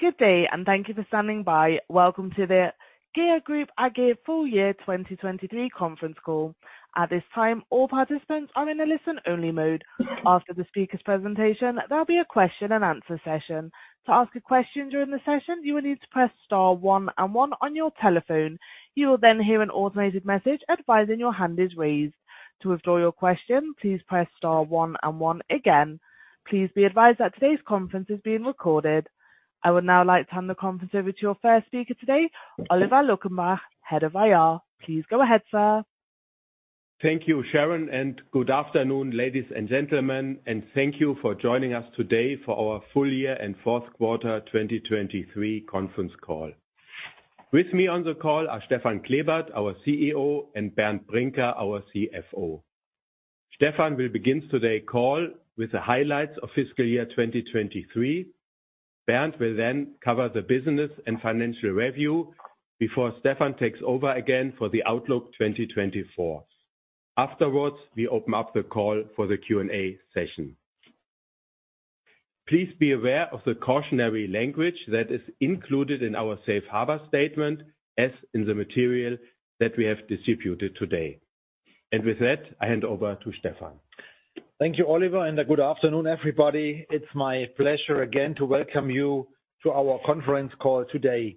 Good day, and thank you for standing by. Welcome to the GEA Group AG full-year 2023 conference call. At this time, all participants are in a listen-only mode. After the speaker's presentation, there'll be a question-and-answer session. To ask a question during the session, you will need to press Star one and one on your telephone. You will then hear an automated message advising your hand is raised. To withdraw your question, please press Star one and one again. Please be advised that today's conference is being recorded. I would now like to hand the conference over to your first speaker today, Oliver Luckenbach, Head of IR. Please go ahead, sir. Thank you, Sharon, and good afternoon, ladies and gentlemen, and thank you for joining us today for our full year and fourth quarter 2023 conference call. With me on the call are Stefan Klebert, our CEO, and Bernd Brinker, our CFO. Stefan will begin today's call with the highlights of fiscal year 2023. Bernd will then cover the business and financial review before Stefan takes over again for the Outlook 2024. Afterwards, we open up the call for the Q&A session. Please be aware of the cautionary language that is included in our Safe Harbor statement, as in the material that we have distributed today. With that, I hand over to Stefan. Thank you, Oliver, and a good afternoon, everybody. It's my pleasure again to welcome you to our conference call today.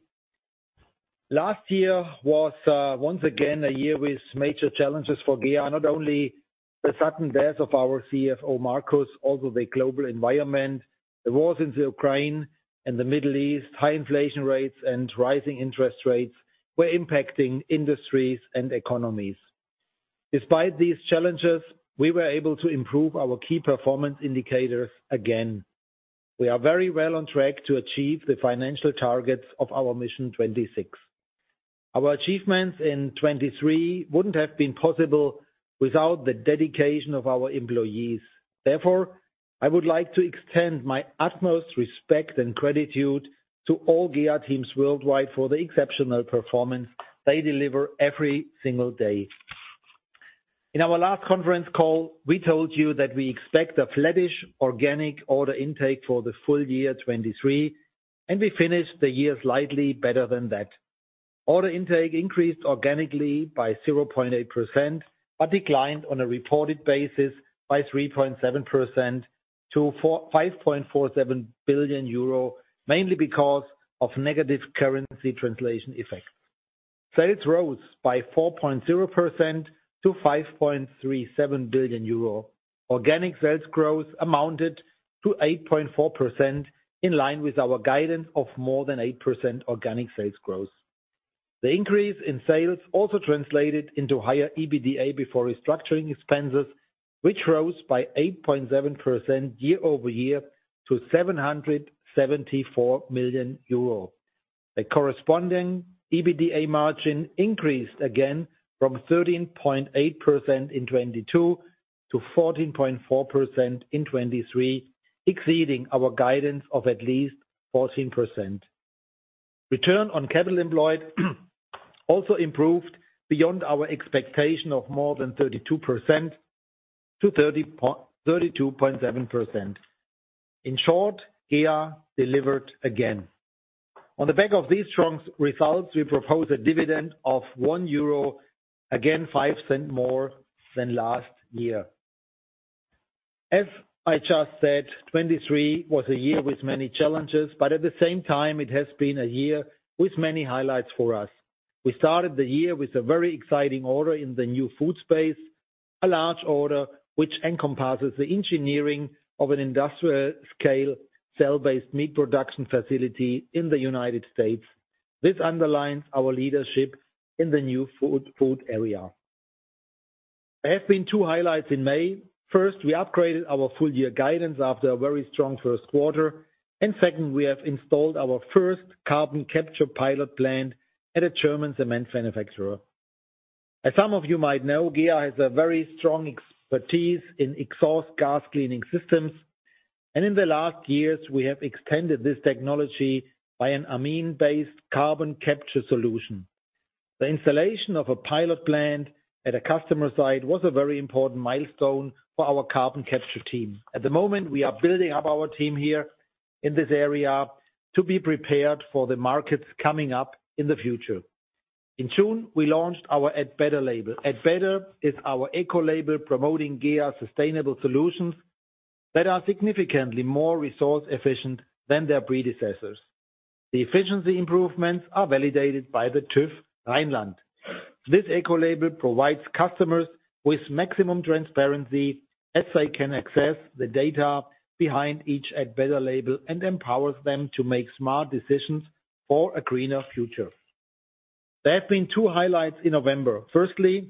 Last year was, once again, a year with major challenges for GEA, not only the sudden death of our CFO, Marcus, also the global environment, the wars in the Ukraine and the Middle East, high inflation rates and rising interest rates were impacting industries and economies. Despite these challenges, we were able to improve our key performance indicators again. We are very well on track to achieve the financial targets of our Mission 26. Our achievements in 2023 wouldn't have been possible without the dedication of our employees. Therefore, I would like to extend my utmost respect and gratitude to all GEA teams worldwide for the exceptional performance they deliver every single day. In our last conference call, we told you that we expect a flattish organic order intake for the full-year 2023, and we finished the year slightly better than that. Order intake increased organically by 0.8%, but declined on a reported basis by 3.7% to 4.47 billion euro, mainly because of negative currency translation effects. Sales rose by 4.0% to 5.37 billion euro. Organic sales growth amounted to 8.4%, in line with our guidance of more than 8% organic sales growth. The increase in sales also translated into higher EBITDA before restructuring expenses, which rose by 8.7% year-over-year to EUR 774 million. The corresponding EBITDA margin increased again from 13.8% in 2022 to 14.4% in 2023, exceeding our guidance of at least 14%. Return on capital employed also improved beyond our expectation of more than 32% to 32.7%. In short, GEA delivered again. On the back of these strong results, we propose a dividend of 1 euro, again 5 cents more than last year. As I just said, 2023 was a year with many challenges, but at the same time, it has been a year with many highlights for us. We started the year with a very exciting order in the New Food space, a large order which encompasses the engineering of an industrial-scale cell-based meat production facility in the United States. This underlines our leadership in the New Food, food area. There have been two highlights in May. First, we upgraded our full-year guidance after a very strong first quarter, and second, we have installed our first carbon capture pilot plant at a German cement manufacturer. As some of you might know, GEA has a very strong expertise in exhaust gas cleaning systems, and in the last years, we have extended this technology by an amine-based carbon capture solution. The installation of a pilot plant at a customer site was a very important milestone for our carbon capture team. At the moment, we are building up our team here in this area to be prepared for the markets coming up in the future. In June, we launched our Add Better label. Add Better is our eco label promoting GEA sustainable solutions that are significantly more resource efficient than their predecessors. The efficiency improvements are validated by the TÜV Rheinland. This eco label provides customers with maximum transparency, as they can access the data behind each Add Better label and empowers them to make smart decisions for a greener future. There have been two highlights in November. Firstly,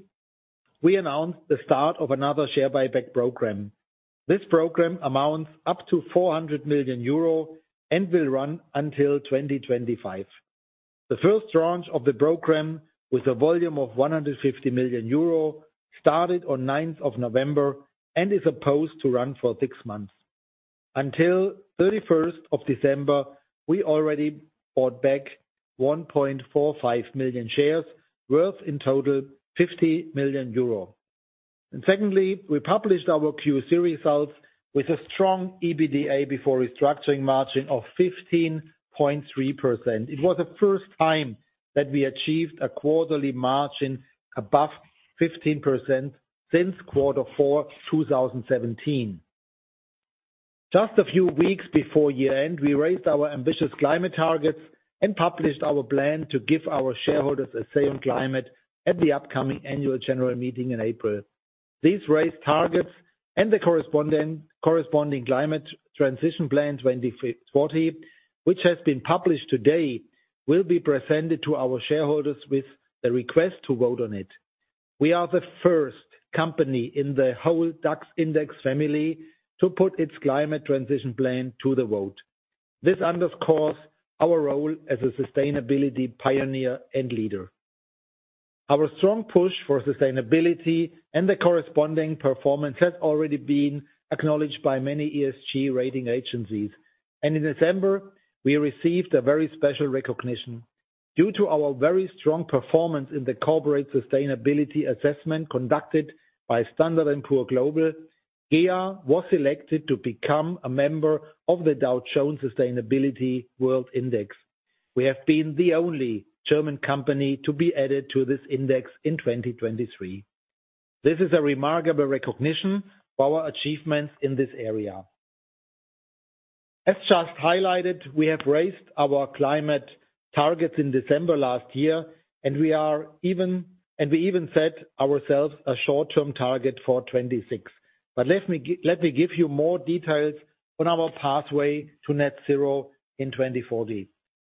we announced the start of another share buyback program. This program amounts up to 400 million euro and will run until 2025. The first launch of the program, with a volume of 150 million euro, started on 9th of November and is supposed to run for six months. Until 31st of December, we already bought back 1.45 million shares, worth in total 50 million euro. And secondly, we published our Q3 results with a strong EBITDA before restructuring margin of 15.3%. It was the first time that we achieved a quarterly margin above 15% since quarter four, 2017. Just a few weeks before year-end, we raised our ambitious climate targets and published our plan to give our shareholders a say on climate at the upcoming annual general meeting in April. These raised targets and the corresponding Climate Transition Plan 2040, which has been published today, will be presented to our shareholders with the request to vote on it. We are the first company in the whole DAX Index family to put its climate transition plan to the vote. This underscores our role as a sustainability pioneer and leader. Our strong push for sustainability and the corresponding performance has already been acknowledged by many ESG rating agencies, and in December, we received a very special recognition. Due to our very strong performance in the Corporate Sustainability Assessment conducted by Standard & Poor Global, GEA was selected to become a member of the Dow Jones Sustainability World Index. We have been the only German company to be added to this index in 2023. This is a remarkable recognition for our achievements in this area. As just highlighted, we have raised our climate targets in December last year, and we even set ourselves a short-term target for 2026. Let me give you more details on our pathway to net zero in 2040.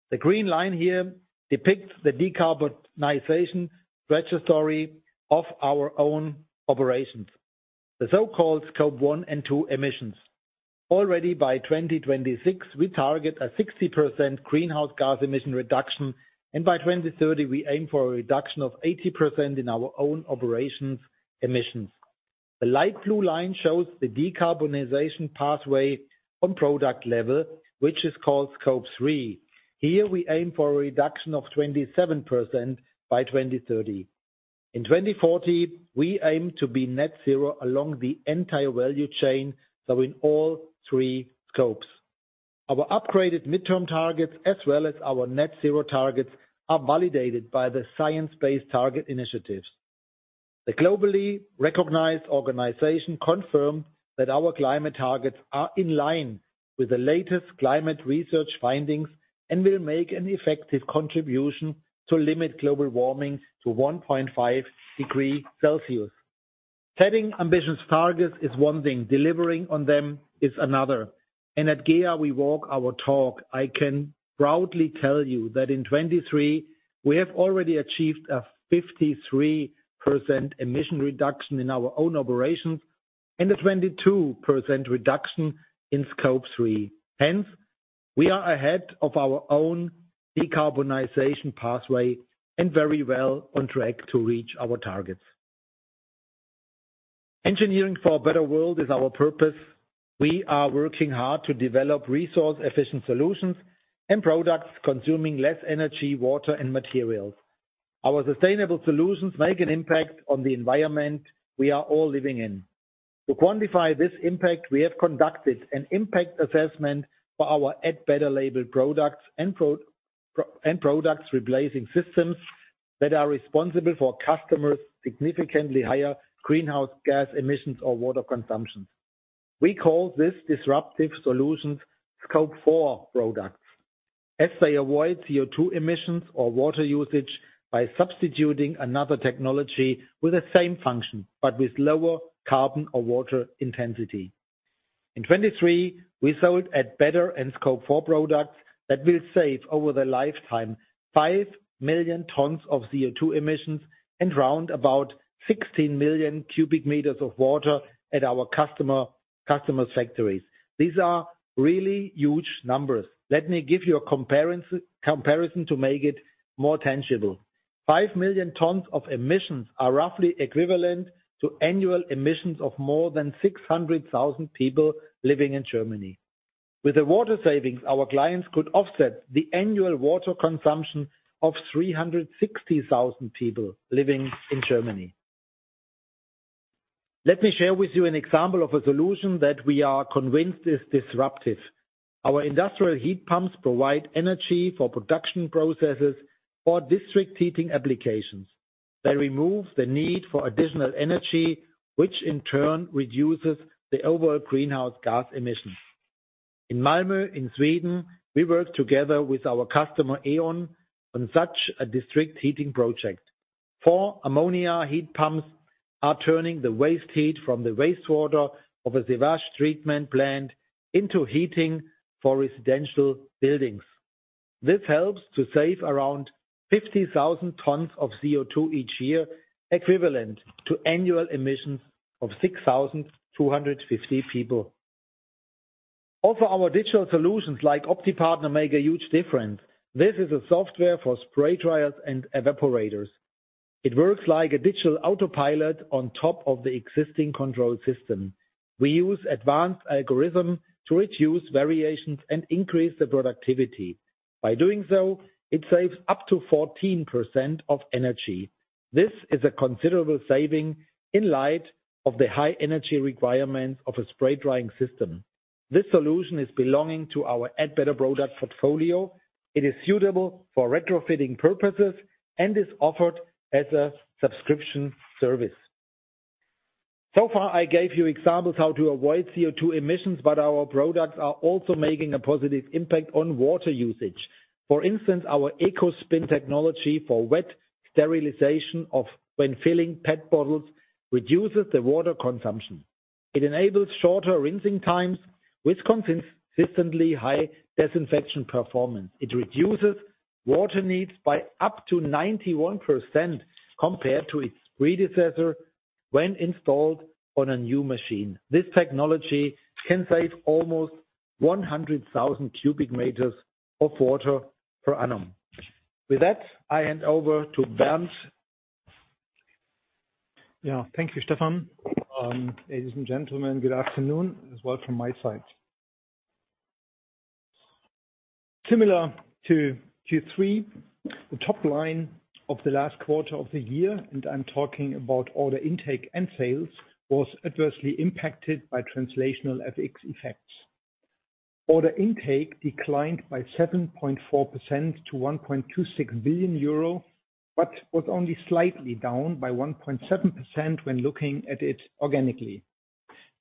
The green line here depicts the decarbonization trajectory of our own operations, the so-called Scope 1 and 2 emissions. Already by 2026, we target a 60% greenhouse gas emission reduction, and by 2030, we aim for a reduction of 80% in our own operations emissions. The light blue line shows the decarbonization pathway on product level, which is called Scope 3. Here, we aim for a reduction of 27% by 2030. In 2040, we aim to be net zero along the entire value chain, so in all three scopes. Our upgraded mid-term targets, as well as our net-zero targets, are validated by the Science Based Targets initiative. The globally recognized organization confirmed that our climate targets are in line with the latest climate research findings and will make an effective contribution to limit global warming to 1.5 degree Celsius. Setting ambitious targets is one thing, delivering on them is another, and at GEA, we walk our talk. I can proudly tell you that in 2023, we have already achieved a 53% emission reduction in our own operations and a 22% reduction in Scope 3. Hence, we are ahead of our own decarbonization pathway and very well on track to reach our targets. Engineering for a better world is our purpose. We are working hard to develop resource-efficient solutions and products consuming less energy, water, and materials. Our sustainable solutions make an impact on the environment we are all living in. To quantify this impact, we have conducted an impact assessment for our Add Better label products and products replacing systems that are responsible for customers' significantly higher greenhouse gas emissions or water consumption. We call this Disruptive Solutions Scope 4 products, as they avoid CO₂ emissions or water usage by substituting another technology with the same function, but with lower carbon or water intensity. In 2023, we sold Add Better and Scope 4 products that will save, over their lifetime, 5 million tons of CO₂ emissions and round about 16 million m³ of water at our customer factories. These are really huge numbers. Let me give you a comparison to make it more tangible. 5 million tons of emissions are roughly equivalent to annual emissions of more than 600,000 people living in Germany. With the water savings, our clients could offset the annual water consumption of 360,000 people living in Germany. Let me share with you an example of a solution that we are convinced is disruptive. Our industrial heat pumps provide energy for production processes or district heating applications. They remove the need for additional energy, which in turn reduces the overall greenhouse gas emissions. In Malmö, in Sweden, we work together with our customer, E.ON, on such a district heating project. Four ammonia heat pumps are turning the waste heat from the wastewater of a sewage treatment plant into heating for residential buildings. This helps to save around 50,000 tons of CO₂ each year, equivalent to annual emissions of 6,250 people. Also, our digital solutions, like OptiPartner, make a huge difference. This is a software for spray dryers and evaporators. It works like a digital autopilot on top of the existing control system. We use advanced algorithm to reduce variations and increase the productivity. By doing so, it saves up to 14% of energy. This is a considerable saving in light of the high energy requirements of a spray drying system. This solution is belonging to our Add Better Products portfolio. It is suitable for retrofitting purposes and is offered as a subscription service. So far, I gave you examples how to avoid CO₂ emissions, but our products are also making a positive impact on water usage. For instance, our EcoSpin technology for wet sterilization when filling PET bottles reduces the water consumption. It enables shorter rinsing times with consistently high disinfection performance. It reduces water needs by up to 91% compared to its predecessor when installed on a new machine. This technology can save almost 100,000 m³ of water per annum. With that, I hand over to Bernd. Yeah, thank you, Stefan. Ladies and gentlemen, good afternoon, as well from my side. Similar to Q3, the top line of the last quarter of the year, and I'm talking about order intake and sales, was adversely impacted by translational FX effects. Order intake declined by 7.4% to 1.26 billion euro, but was only slightly down by 1.7% when looking at it organically.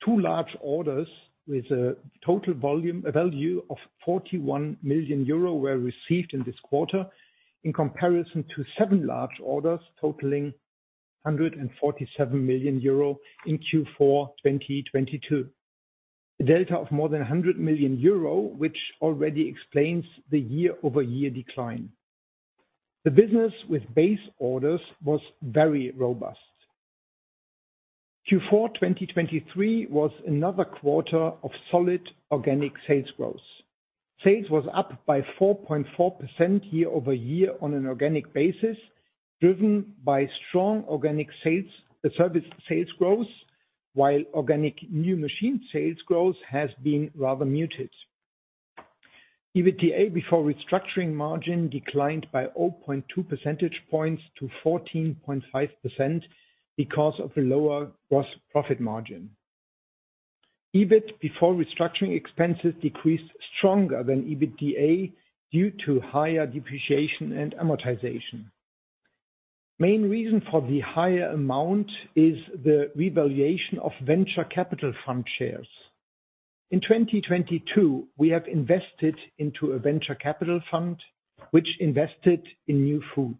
Two large orders with a total volume, a value of 41 million euro were received in this quarter, in comparison to seven large orders totaling 147 million euro in Q4 2022. A delta of more than 100 million euro, which already explains the year-over-year decline. The business with base orders was very robust. Q4 2023 was another quarter of solid organic sales growth. Sales was up by 4.4% year-over-year on an organic basis, driven by strong organic sales, service sales growth, while organic new machine sales growth has been rather muted. EBITDA before restructuring margin declined by 0.2% points to 14.5% because of a lower gross profit margin. EBIT before restructuring expenses decreased stronger than EBITDA, due to higher depreciation and amortization. Main reason for the higher amount is the revaluation of venture capital fund shares. In 2022, we have invested into a venture capital fund, which invested in New Food.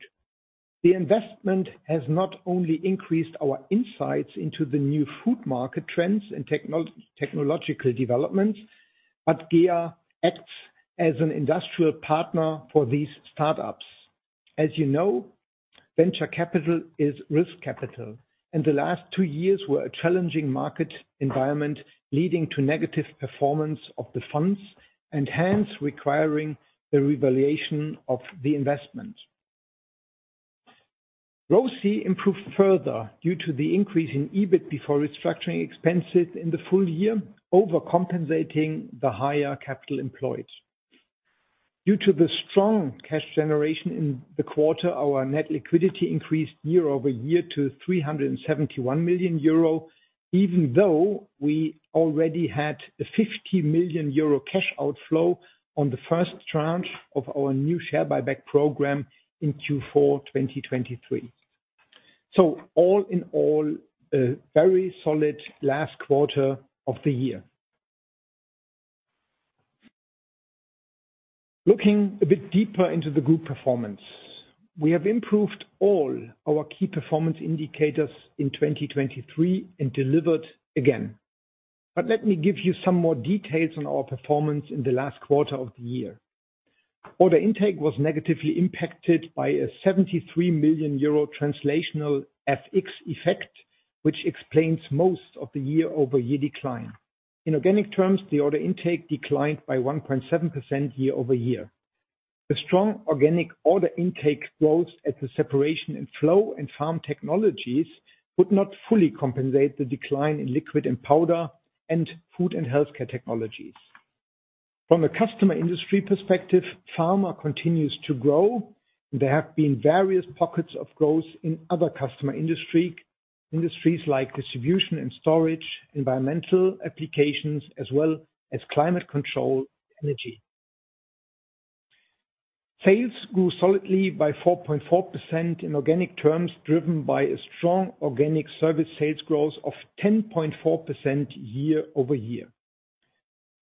The investment has not only increased our insights into the New Food market trends and technological developments, but GEA acts as an industrial partner for these startups. As you know, venture capital is risk capital, and the last two years were a challenging market environment, leading to negative performance of the funds, and hence requiring a revaluation of the investment. ROCE improved further due to the increase in EBIT before restructuring expenses in the full-year, overcompensating the higher capital employed. Due to the strong cash generation in the quarter, our net liquidity increased year-over-year to 371 million euro, even though we already had a 50 million euro cash outflow on the first tranche of our new share buyback program in Q4 2023. So all in all, a very solid last quarter of the year. Looking a bit deeper into the group performance, we have improved all our key performance indicators in 2023 and delivered again. But let me give you some more details on our performance in the last quarter of the year. Order intake was negatively impacted by a 73 million euro translational FX effect, which explains most of the year-over-year decline. In organic terms, the order intake declined by 1.7% year-over-year. The strong organic order intake growth at the Separation and Flow and Farm Technologies could not fully compensate the decline in Liquid and Powder, and Food and Healthcare Technologies. From a customer industry perspective, pharma continues to grow, and there have been various pockets of growth in other customer industry, industries like distribution and storage, environmental applications, as well as climate control energy. Sales grew solidly by 4.4% in organic terms, driven by a strong organic service sales growth of 10.4% year-over-year.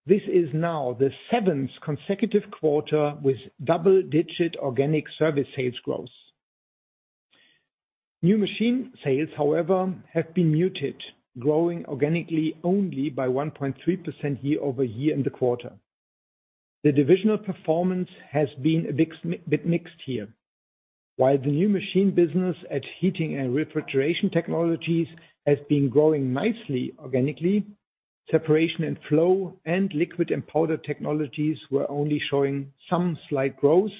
This is now the 7th consecutive quarter with double-digit organic service sales growth. New machine sales, however, have been muted, growing organically only by 1.3% year-over-year in the quarter. The divisional performance has been a bit mixed here. While the new machine business at Heating & Refrigeration Technologies has been growing nicely, organically, Separation and Flow Technologies and Liquid and Powder Technologies were only showing some slight growth.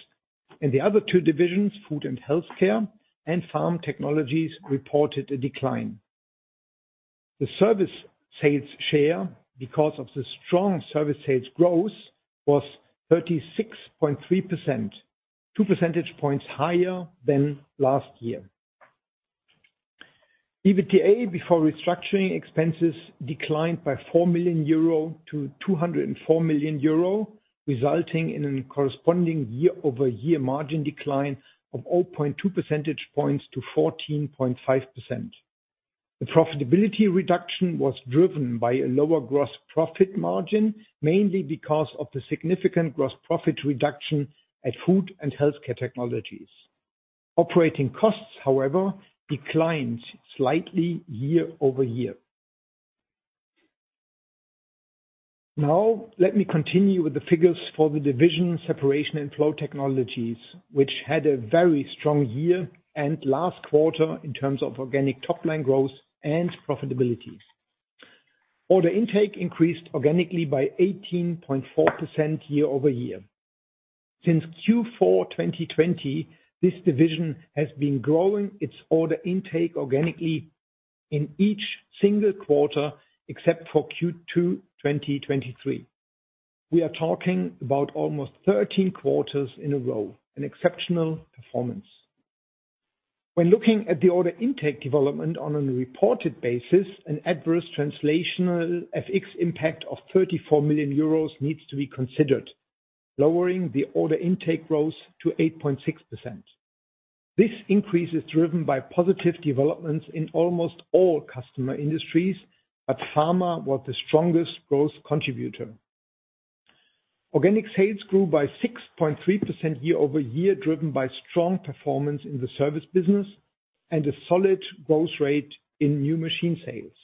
In the other two divisions, Food and Healthcare Technologies and Farm Technologies, reported a decline. The service sales share, because of the strong service sales growth, was 36.3%, 2% points higher than last year. EBITDA, before restructuring expenses, declined by 4 million euro to 204 million euro, resulting in a corresponding year-over-year margin decline of 0.2% points to 14.5%. The profitability reduction was driven by a lower gross profit margin, mainly because of the significant gross profit reduction at Food and Healthcare Technologies. Operating costs, however, declined slightly year-over-year. Now, let me continue with the figures for the division Separation and Flow Technologies, which had a very strong year and last quarter in terms of organic top line growth and profitabilities. Order intake increased organically by 18.4% year-over-year. Since Q4 2020, this division has been growing its order intake organically in each single quarter, except for Q2 2023. We are talking about almost 13 quarters in a row, an exceptional performance. When looking at the order intake development on a reported basis, an adverse translational FX impact of 34 million euros needs to be considered, lowering the order intake growth to 8.6%. This increase is driven by positive developments in almost all custmer industries, but pharma was the strongest growth contributor. Organic sales grew by 6.3% year-over-year, driven by strong performance in the Service business, and a solid growth rate in new machine sales.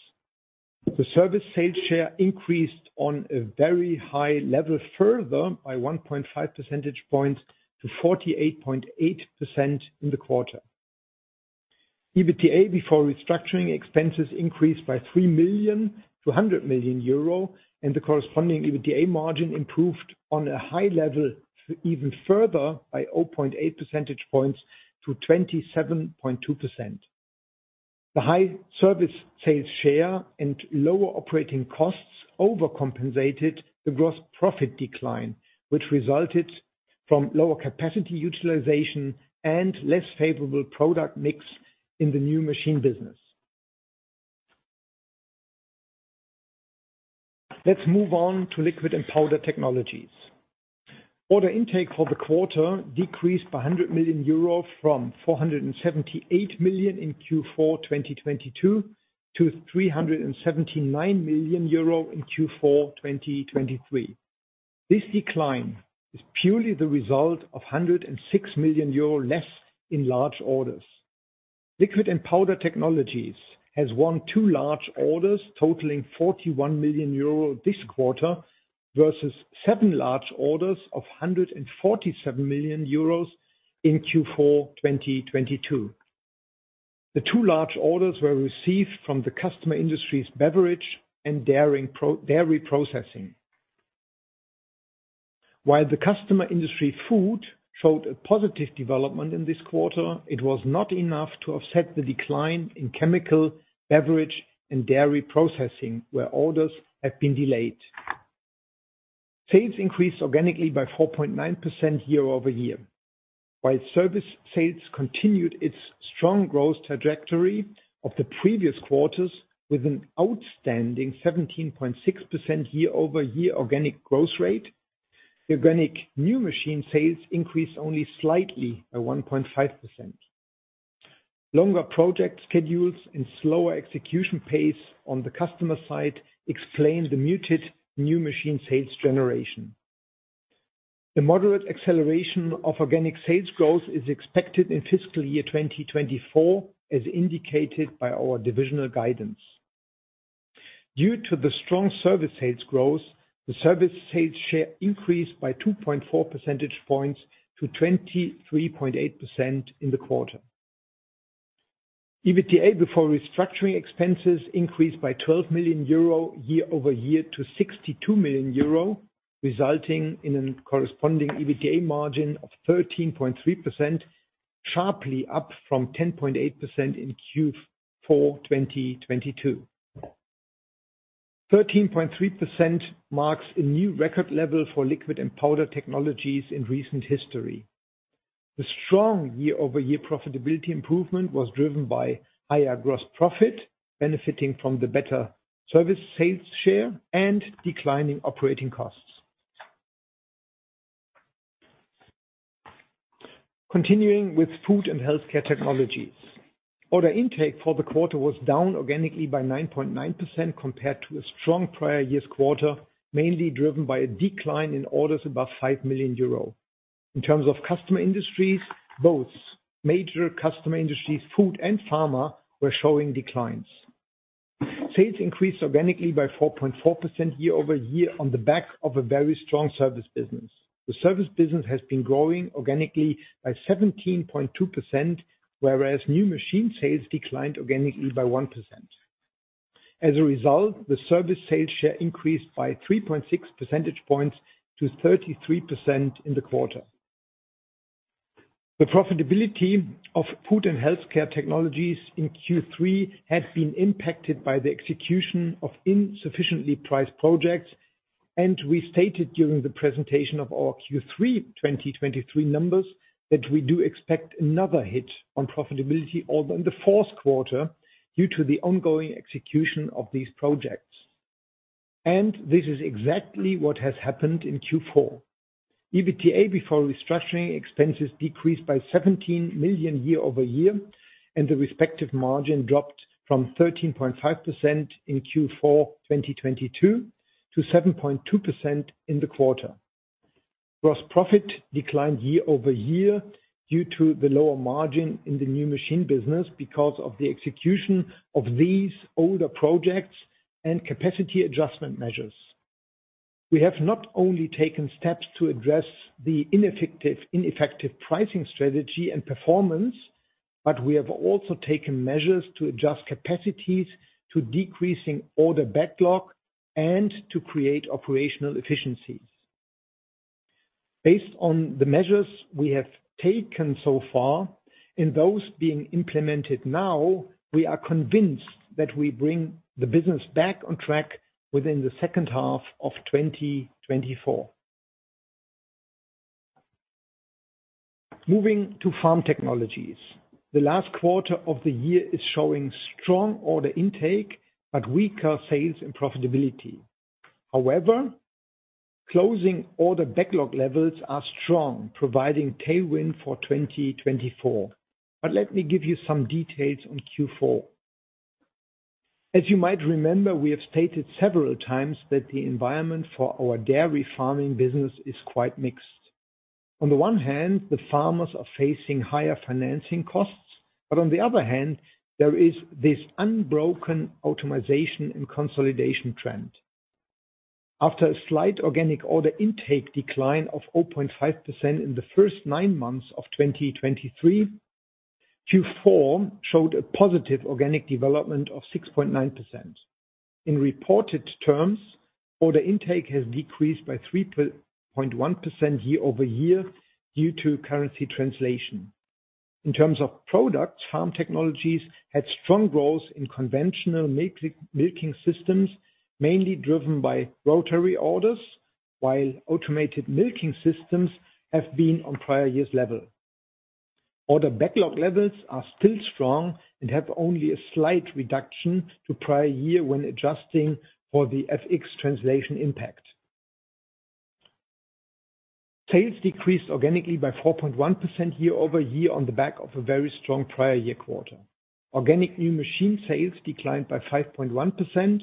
The service sales share increased on a very high level, further by 1.5%-48.8% in the quarter. EBITDA, before restructuring expenses, increased by 3 million -100 million euro, and the corresponding EBITDA margin improved on a high level, even further by 0.8%-27.2%. The high service sales share and lower operating costs overcompensated the gross profit decline, which resulted from lower capacity utilization and less favorable product mix in the new machine business. Let's move on to Liquid & Powder Technologies. Order intake for the quarter decreased by 100 million euro from 478 million in Q4 2022 to 379 million euro in Q4 2023. This decline is purely the result of 106 million euro less in large orders. Liquid & Powder Technologies has won two large orders, totaling 41 million euro this quarter, versus seven large orders of 147 million euros in Q4 2022. The two large orders were received from the customer industries, beverage and dairy processing. While the customer industry food showed a positive development in this quarter, it was not enough to offset the decline in chemical, beverage, and dairy processing, where orders have been delayed. Sales increased organically by 4.9% year-over-year. While service sales continued its strong growth trajectory of the previous quarters with an outstanding 17.6% year-over-year organic growth rate, organic new machine sales increased only slightly by 1.5%. Longer project schedules and slower execution pace on the customer side explain the muted new machine sales generation. The moderate acceleration of organic sales growth is expected in fiscal year 2024, as indicated by our divisional guidance. Due to the strong service sales growth, the service sales share increased by 2.4% points to 23.8% in the quarter. EBITDA, before restructuring expenses, increased by 12 million euro year-over-year to 62 million euro, resulting in a corresponding EBITDA margin of 13.3%, sharply up from 10.8% in Q4 2022. 13.3% marks a new record level for Liquid & Powder Technologies in recent history. The strong year-over-year profitability improvement was driven by higher gross profit, benefiting from the better service sales share and declining operating costs. Continuing with Food & Healthcare Technologies. Order intake for the quarter was down organically by 9.9% compared to a strong prior year's quarter, mainly driven by a decline in orders above 5 million euro. In terms of customer industries, both major customer industries, food and pharma, were showing declines. Sales increased organically by 4.4% year-over-year on the back of a very strong service business. The service business has been growing organically by 17.2%, whereas new machine sales declined organically by 1%. As a result, the service sales share increased by 3.6% points to 33% in the quarter. The profitability of Food & Healthcare Technologies in Q3 had been impacted by the execution of insufficiently priced projects, and we stated during the presentation of our Q3 2023 numbers, that we do expect another hit on profitability, although in the fourth quarter, due to the ongoing execution of these projects. This is exactly what has happened in Q4. EBITDA, before restructuring expenses, decreased by 17 million year-over-year, and the respective margin dropped from 13.5% in Q4 2022 to 7.2% in the quarter. Gross profit declined year-over-year due to the lower margin in the new Machine business because of the execution of these older projects and capacity adjustment measures. We have not only taken steps to address the ineffective pricing strategy and performance, but we have also taken measures to adjust capacities to decreasing order backlog and to create operational efficiencies. Based on the measures we have taken so far, and those being implemented now, we are convinced that we bring the business back on track within the second half of 2024. Moving to Farm Technologies. The last quarter of the year is showing strong order intake, but weaker sales and profitability. However, closing order backlog levels are strong, providing tailwind for 2024. But let me give you some details on Q4. As you might remember, we have stated several times that the environment for our dairy farming business is quite mixed. On the one hand, the farmers are facing higher financing costs, but on the other hand, there is this unbroken automation and consolidation trend. After a slight organic order intake decline of 0.5% in the first nine months of 2023, Q4 showed a positive organic development of 6.9%. In reported terms, order intake has decreased by 3.1% year-over-year, due to currency translation. In terms of products, Farm Technologies had strong growth in conventional milking systems, mainly driven by rotary orders, while automated milking systems have been on prior year's level. Order backlog levels are still strong and have only a slight reduction to prior year when adjusting for the FX translation impact. Sales decreased organically by 4.1% year-over-year on the back of a very strong prior year quarter. Organic new machine sales declined by 5.1%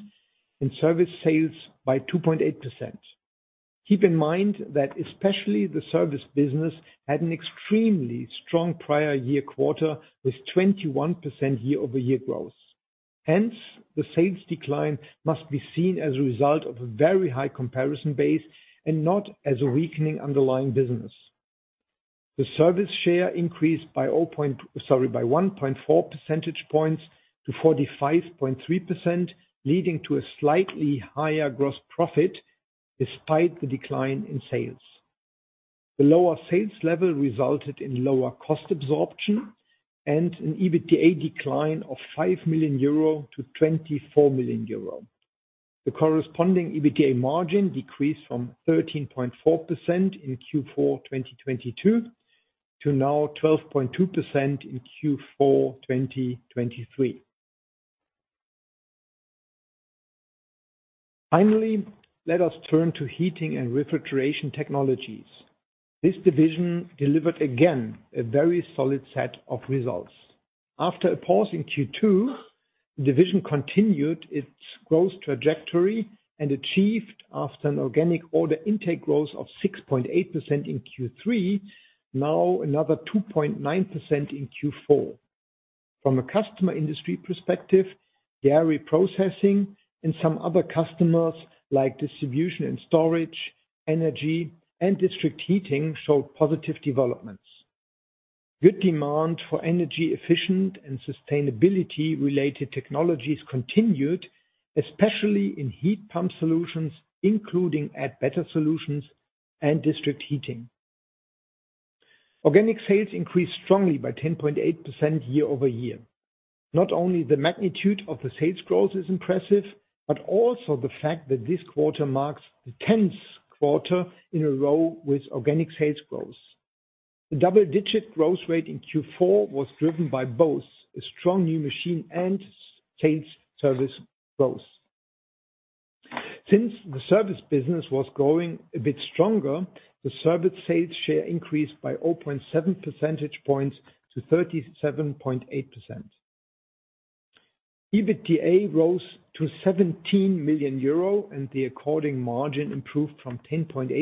and service sales by 2.8%. Keep in mind that especially the service business had an extremely strong prior year quarter, with 21% year-over-year growth. Hence, the sales decline must be seen as a result of a very high comparison base and not as a weakening underlying business. The service share increased by 1.4% points to 45.3%, leading to a slightly higher gross profit despite the decline in sales. The lower sales level resulted in lower cost absorption and an EBITDA decline of 5 million-24 million euro. The corresponding EBITDA margin decreased from 13.4% in Q4 2022 to now 12.2% in Q4 2023. Finally, let us turn to Heating & Refrigeration Technologies. This division delivered, again, a very solid set of results. After a pause in Q2, the division continued its growth trajectory and achieved, after an organic order intake growth of 6.8% in Q3, now another 2.9% in Q4. From a customer industry perspective, dairy processing and some other customers, like distribution and storage, energy, and district heating, showed positive developments. Good demand for energy efficient and sustainability-related technologies continued, especially in heat pump solutions, including Add Better solutions and district heating. Organic sales increased strongly by 10.8% year-over-year. Not only the magnitude of the sales growth is impressive, but also the fact that this quarter marks the 10th quarter in a row with organic sales growth. The double-digit growth rate in Q4 was driven by both a strong new machine and sales service growth. Since the Service business was growing a bit stronger, the service sales share increased by 0.7% points to 37.8%. EBITDA rose to 17 million euro, and the according margin improved from 10.8%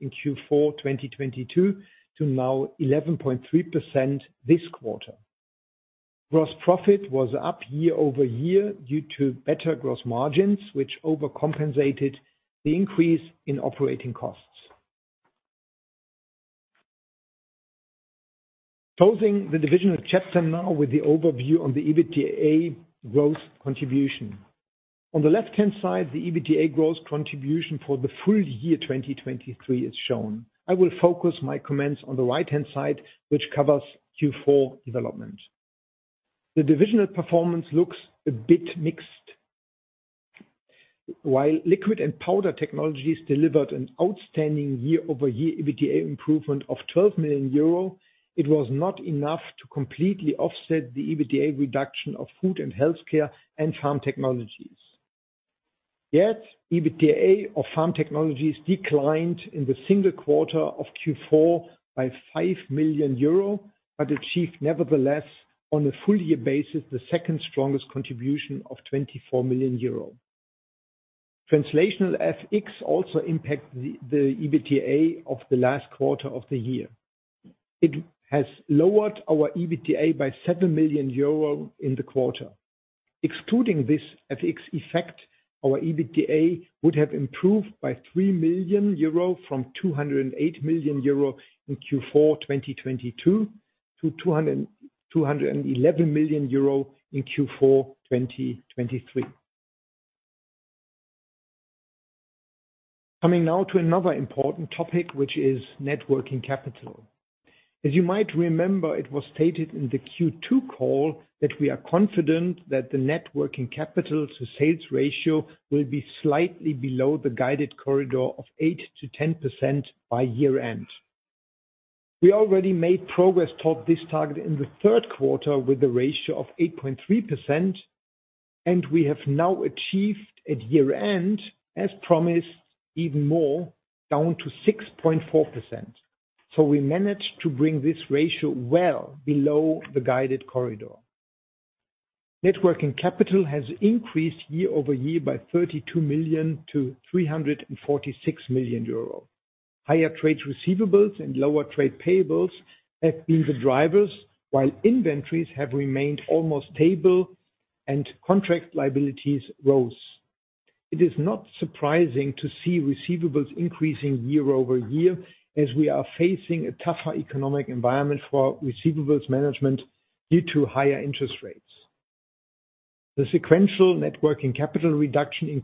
in Q4 2022 to now 11.3% this quarter. Gross profit was up year-over-year due to better gross margins, which overcompensated the increase in operating costs. Closing the divisional chapter now with the overview on the EBITDA growth contribution. On the left-hand side, the EBITDA growth contribution for the full-year 2023 is shown. I will focus my comments on the right-hand side, which covers Q4 development. The divisional performance looks a bit mixed. While Liquid & Powder Technologies delivered an outstanding year-over-year EBITDA improvement of 12 million euro, it was not enough to completely offset the EBITDA reduction of Food & Healthcare and Farm Technologies. Yet, EBITDA of Farm Technologies declined in the single quarter of Q4 by 5 million euro, but achieved, nevertheless, on a full-year basis, the second strongest contribution of 24 million euro. Translation FX also impacted the EBITDA of the last quarter of the year. It has lowered our EBITDA by 7 million euro in the quarter. Excluding this FX effect, our EBITDA would have improved by 3 million euro from 208 million euro in Q4 2022, to 211 million euro in Q4 2023. Coming now to another important topic, which is net working capital. As you might remember, it was stated in the Q2 call that we are confident that the net working capital to sales ratio will be slightly below the guided corridor of 8%-10% by year-end. We already made progress toward this target in the third quarter, with a ratio of 8.3%, and we have now achieved at year-end, as promised, even more, down to 6.4%. We managed to bring this ratio well below the guided corridor. Net working capital has increased year-over-year by 32 million to 346 million euro. Higher trade receivables and lower trade payables have been the drivers, while inventories have remained almost stable and contract liabilities rose. It is not surprising to see receivables increasing year-over-year, as we are facing a tougher economic environment for receivables management due to higher interest rates. The sequential net working capital reduction in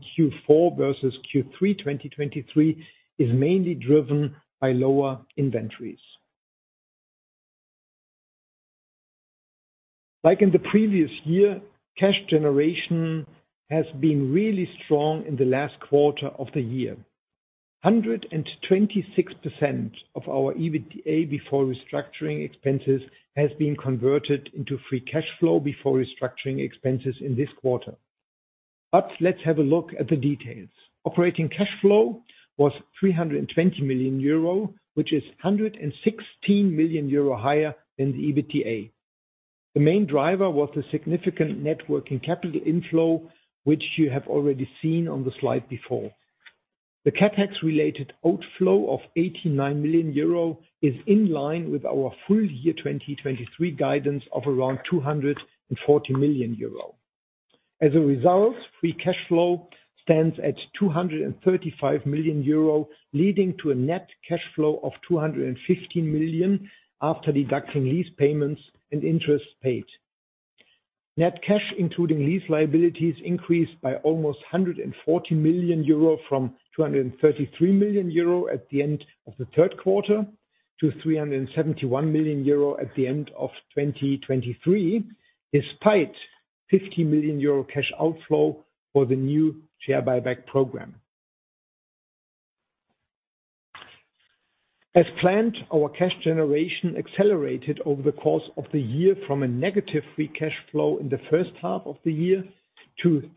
Q4 versus Q3 2023 is mainly driven by lower inventories. Like in the previous year, cash generation has been really strong in the last quarter of the year. 126% of our EBITDA before restructuring expenses has been converted into free cash flow before restructuring expenses in this quarter. But let's have a look at the details. Operating cash flow was 320 million euro, which is 116 million euro higher than the EBITDA. The main driver was the significant net working capital inflow, which you have already seen on the slide before. The CapEx-related outflow of 89 million euro is in line with our full-year 2023 guidance of around 240 million euro. As a result, free cash flow stands at 235 million euro, leading to a net cash flow of 215 million after deducting lease payments and interest paid. Net cash, including lease liabilities, increased by almost 140 million euro from 233 million euro at the end of the third quarter to 371 million euro at the end of 2023, despite 50 million euro cash outflow for the new share buyback program. As planned, our cash generation accelerated over the course of the year from a negative free cash flow in the first half of the year to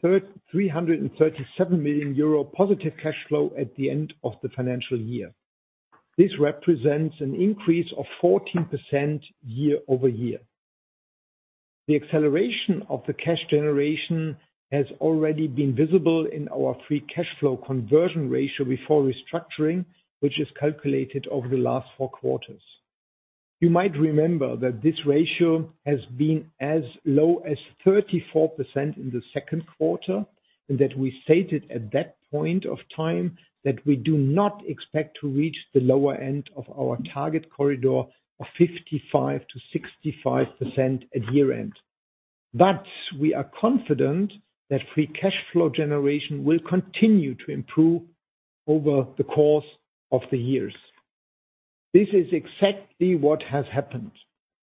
337 million euro positive cash flow at the end of the financial year. This represents an increase of 14% year-over-year. The acceleration of the cash generation has already been visible in our free cash flow conversion ratio before restructuring, which is calculated over the last four quarters. You might remember that this ratio has been as low as 34% in the second quarter, and that we stated at that point of time, that we do not expect to reach the lower end of our target corridor of 55%-65% at year-end. But we are confident that free cash flow generation will continue to improve over the course of the years. This is exactly what has happened.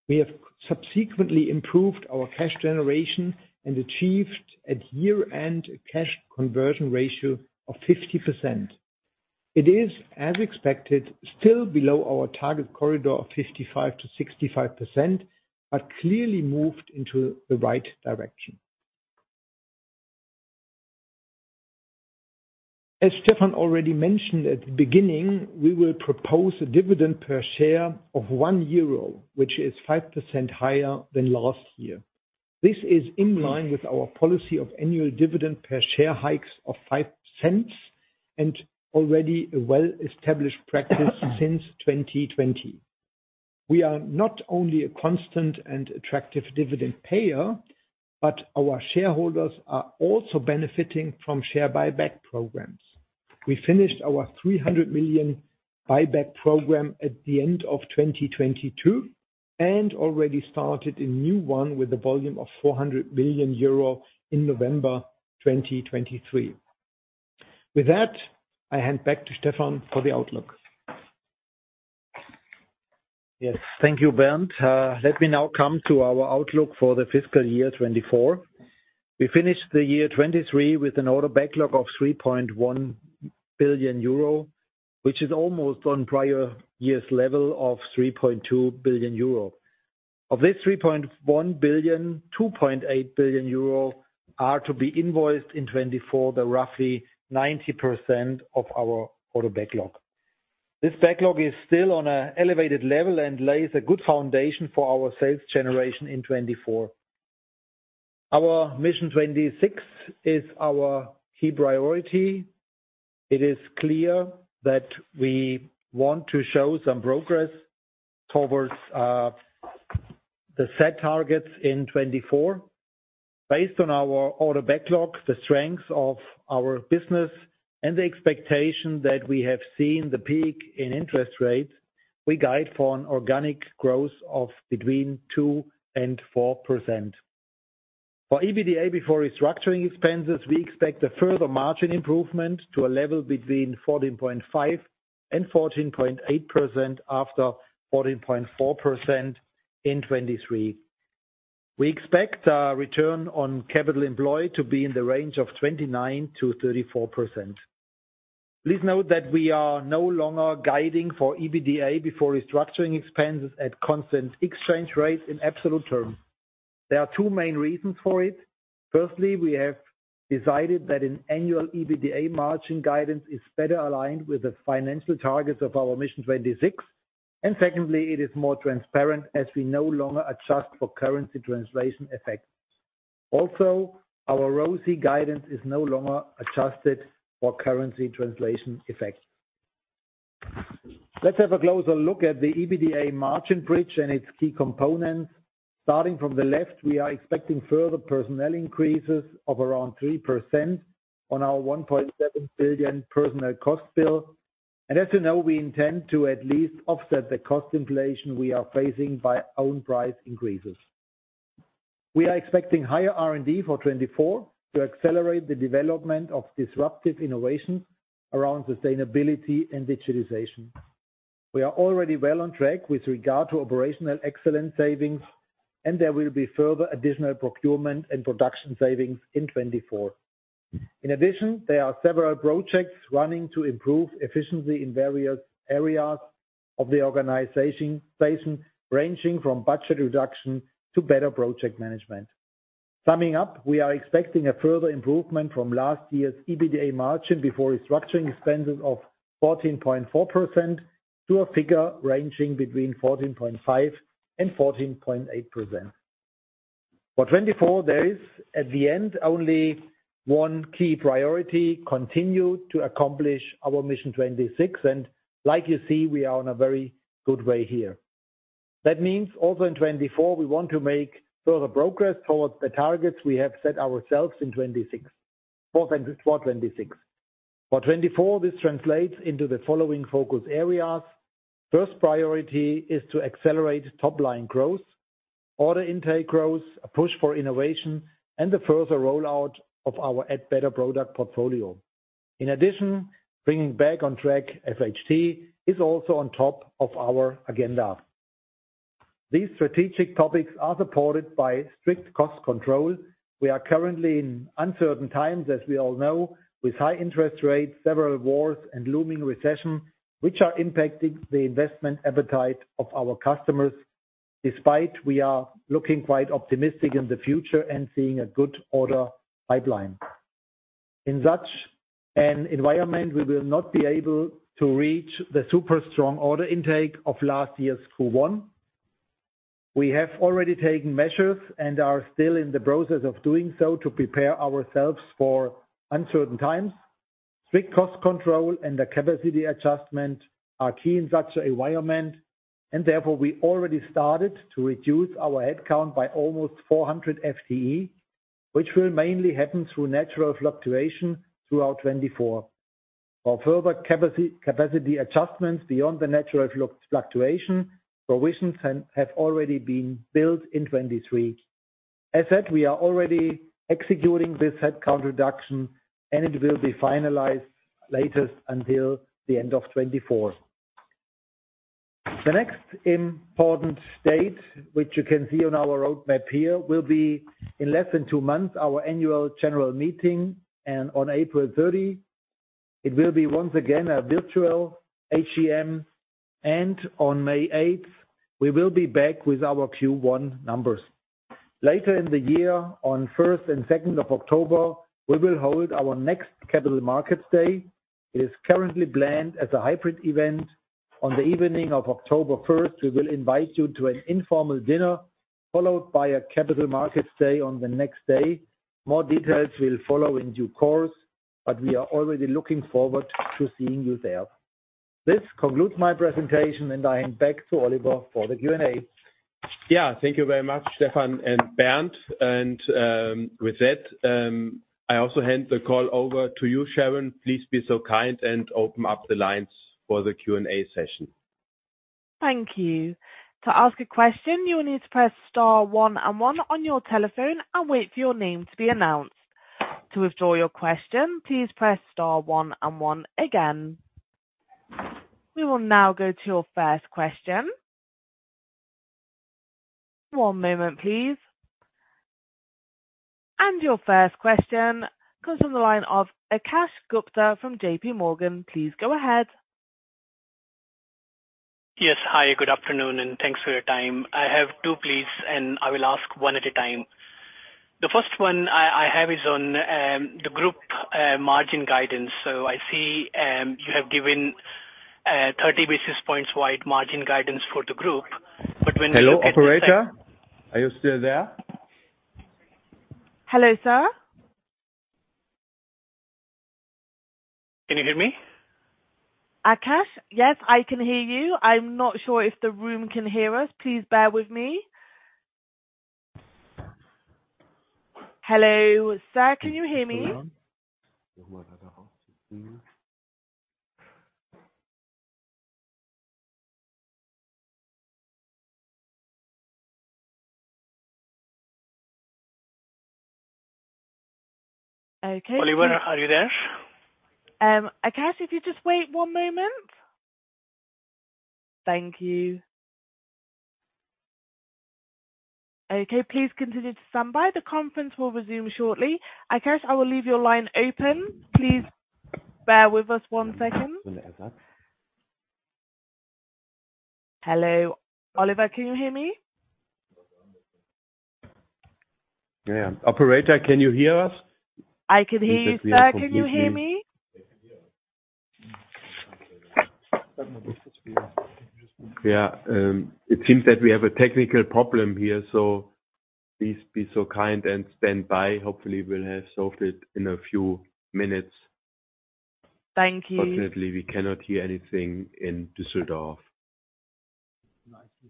We have subsequently improved our cash generation and achieved at year-end, a cash conversion ratio of 50%. It is, as expected, still below our target corridor of 55%-65%, but clearly moved into the right direction. As Stefan already mentioned at the beginning, we will propose a dividend per share of 1 euro, which is 5% higher than last year. This is in line with our policy of annual dividend per share hikes of 0.05, and already a well-established practice since 2020. We are not only a constant and attractive dividend payer, but our shareholders are also benefiting from share buyback programs. We finished our 300 million buyback program at the end of 2022, and already started a new one with a volume of 400 billion euro in November 2023. With that, I hand back to Stefan for the outlook. Yes, thank you, Bernd. Let me now come to our outlook for the fiscal year 2024. We finished the year 2023 with an order backlog of 3.1 billion euro, which is almost on prior year's level of 3.2 billion euro. Of this 3.1 billion, 2.8 billion euro are to be invoiced in 2024, the roughly 90% of our order backlog. This backlog is still on an elevated level and lays a good foundation for our sales generation in 2024. Our Mission 26 is our key priority. It is clear that we want to show some progress towards the set targets in 2024. Based on our order backlogs, the strength of our business, and the expectation that we have seen the peak in interest rates, we guide for an organic growth of between 2% and 4%. For EBITDA, before restructuring expenses, we expect a further margin improvement to a level between 14.5% and 14.8% after 14.4% in 2023. We expect return on capital employed to be in the range of 29%-34%. Please note that we are no longer guiding for EBITDA before restructuring expenses at constant exchange rate in absolute terms. There are two main reasons for it. Firstly, we have decided that an annual EBITDA margin guidance is better aligned with the financial targets of our Mission 26, and secondly, it is more transparent as we no longer adjust for currency translation effects. Also, our ROCE guidance is no longer adjusted for currency translation effects. Let's have a closer look at the EBITDA margin bridge and its key components. Starting from the left, we are expecting further personnel increases of around 3% on our 1.7 billion personnel cost bill. As you know, we intend to at least offset the cost inflation we are facing by own price increases. We are expecting higher R&D for 2024 to accelerate the development of disruptive innovations around sustainability and digitization. We are already well on track with regard to operational excellence savings, and there will be further additional procurement and production savings in 2024. In addition, there are several projects running to improve efficiency in various areas of the organization, ranging from budget reduction to better project management. Summing up, we are expecting a further improvement from last year's EBITDA margin before restructuring expenses of 14.4% to a figure ranging between 14.5% and 14.8%. For 2024, there is, at the end, only one key priority: continue to accomplish our Mission 26, and like you see, we are on a very good way here. That means also in 2024, we want to make further progress towards the targets we have set ourselves in 2026, for, for 2026. For 2024, this translates into the following focus areas. First priority is to accelerate top-line growth, order intake growth, a push for innovation, and the further rollout of our Add Better product portfolio. In addition, bringing back on track FHT is also on top of our agenda. These strategic topics are supported by strict cost control. We are currently in uncertain times, as we all know, with high interest rates, several wars, and looming recession, which are impacting the investment appetite of our customers. Despite, we are looking quite optimistic in the future and seeing a good order pipeline. In such an environment, we will not be able to reach the super strong order intake of last year's Q1. We have already taken measures and are still in the process of doing so to prepare ourselves for uncertain times. Strict cost control and the capacity adjustment are key in such an environment, and therefore, we already started to reduce our headcount by almost 400 FTE, which will mainly happen through natural fluctuation throughout 2024. For further capacity adjustments beyond the natural fluctuation, provisions have already been built in 2023. As said, we are already executing this headcount reduction, and it will be finalized latest until the end of 2024. The next important date, which you can see on our roadmap here, will be in less than two months, our Annual General Meeting, and on April 30, it will be once again a virtual AGM, and on May 8th, we will be back with our Q1 numbers. Later in the year, on 1st and 2nd of October, we will hold our next Capital Markets Day. It is currently planned as a hybrid event. On the evening of October 1st, we will invite you to an informal dinner, followed by a Capital Markets Day on the next day. More details will follow in due course, but we are already looking forward to seeing you there. This concludes my presentation, and I hand back to Oliver for the Q&A. Yeah, thank you very much, Stefan and Bernd. With that, I also hand the call over to you, Sharon. Please be so kind and open up the lines for the Q&A session. Thank you. To ask a question, you will need to press Star one and one on your telephone and wait for your name to be announced. To withdraw your question, please press Star one and one again. We will now go to our first question. One moment, please. Your first question comes from the line of Akash Gupta from JPMorgan. Please go ahead. Yes. Hi, good afternoon, and thanks for your time. I have two, please, and I will ask one at a time. The first one I have is on the group margin guidance. So I see you have given 30 basis points wide margin guidance for the group, but when we look at the- Hello, operator? Are you still there? Hello, sir. Can you hear me? Akash? Yes, I can hear you. I'm not sure if the room can hear us. Please bear with me. Hello, sir, can you hear me? Hello? Okay. Oliver, are you there? Akash, if you just wait one moment. Thank you. Okay, please continue to stand by. The conference will resume shortly. Akash, I will leave your line open. Please bear with us one second. Hello, Oliver, can you hear me? Yeah. Operator, can you hear us? I can hear you, sir. Can you hear me? Yeah. It seems that we have a technical problem here, so please be so kind and stand by. Hopefully, we'll have solved it in a few minutes. Thank you. Unfortunately, we cannot hear anything in Dusseldorf.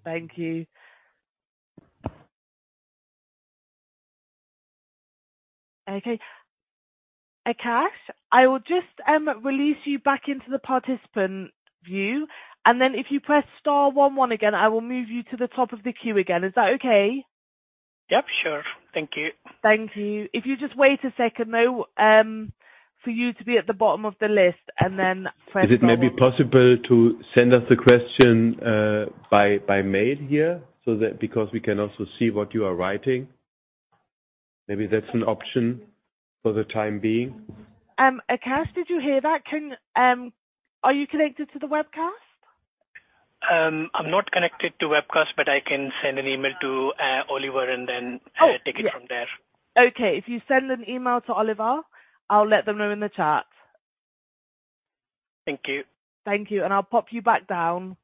Thank you. Okay. Akash, I will just release you back into the participant view, and then if you press Star one, one again, I will move you to the top of the queue again. Is that okay? Yep, sure. Thank you. Thank you. If you just wait a second, though, for you to be at the bottom of the list, and then press star one- Is it maybe possible to send us the question by mail here? So that, because we can also see what you are writing. Maybe that's an option for the time being. Akash, did you hear that? Are you connected to the webcast? I'm not connected to webcast, but I can send an email to Oliver, and then- Oh, yes. -take it from there. Okay. If you send an email to Oliver, I'll let them know in the chat. Thank you. Thank you, and I'll pop you back down.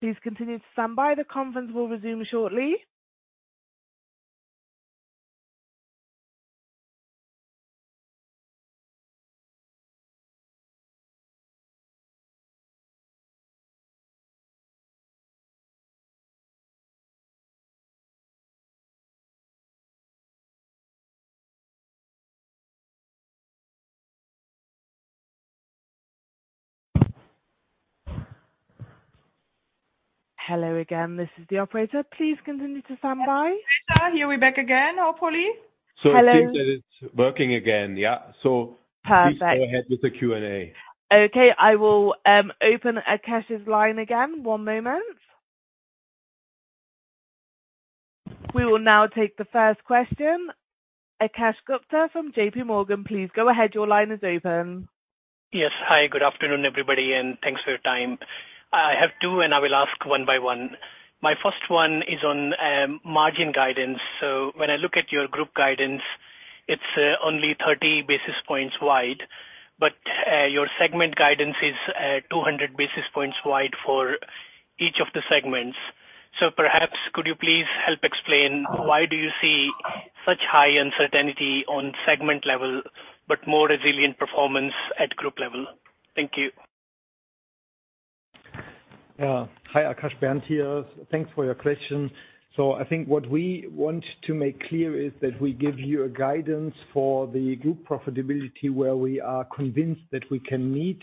Please continue to stand by. The conference will resume shortly. Hello again, this is the operator. Please continue to stand by. Here we're back again, hopefully. Hello. So it seems that it's working again. Yeah. Perfect. Please go ahead with the Q&A. Okay, I will open Akash's line again. One moment. We will now take the first question. Akash Gupta from JPMorgan, please go ahead. Your line is open. Yes. Hi, good afternoon, everybody, and thanks for your time. I have two, and I will ask one by one. My first one is on margin guidance. So when I look at your group guidance, it's only 30 basis points wide, but your segment guidance is 200 basis points wide for each of the segments. So perhaps could you please help explain why do you see such high uncertainty on segment level but more resilient performance at group level? Thank you. Hi, Akash. Bernd here. Thanks for your question. So I think what we want to make clear is that we give you a guidance for the group profitability, where we are convinced that we can meet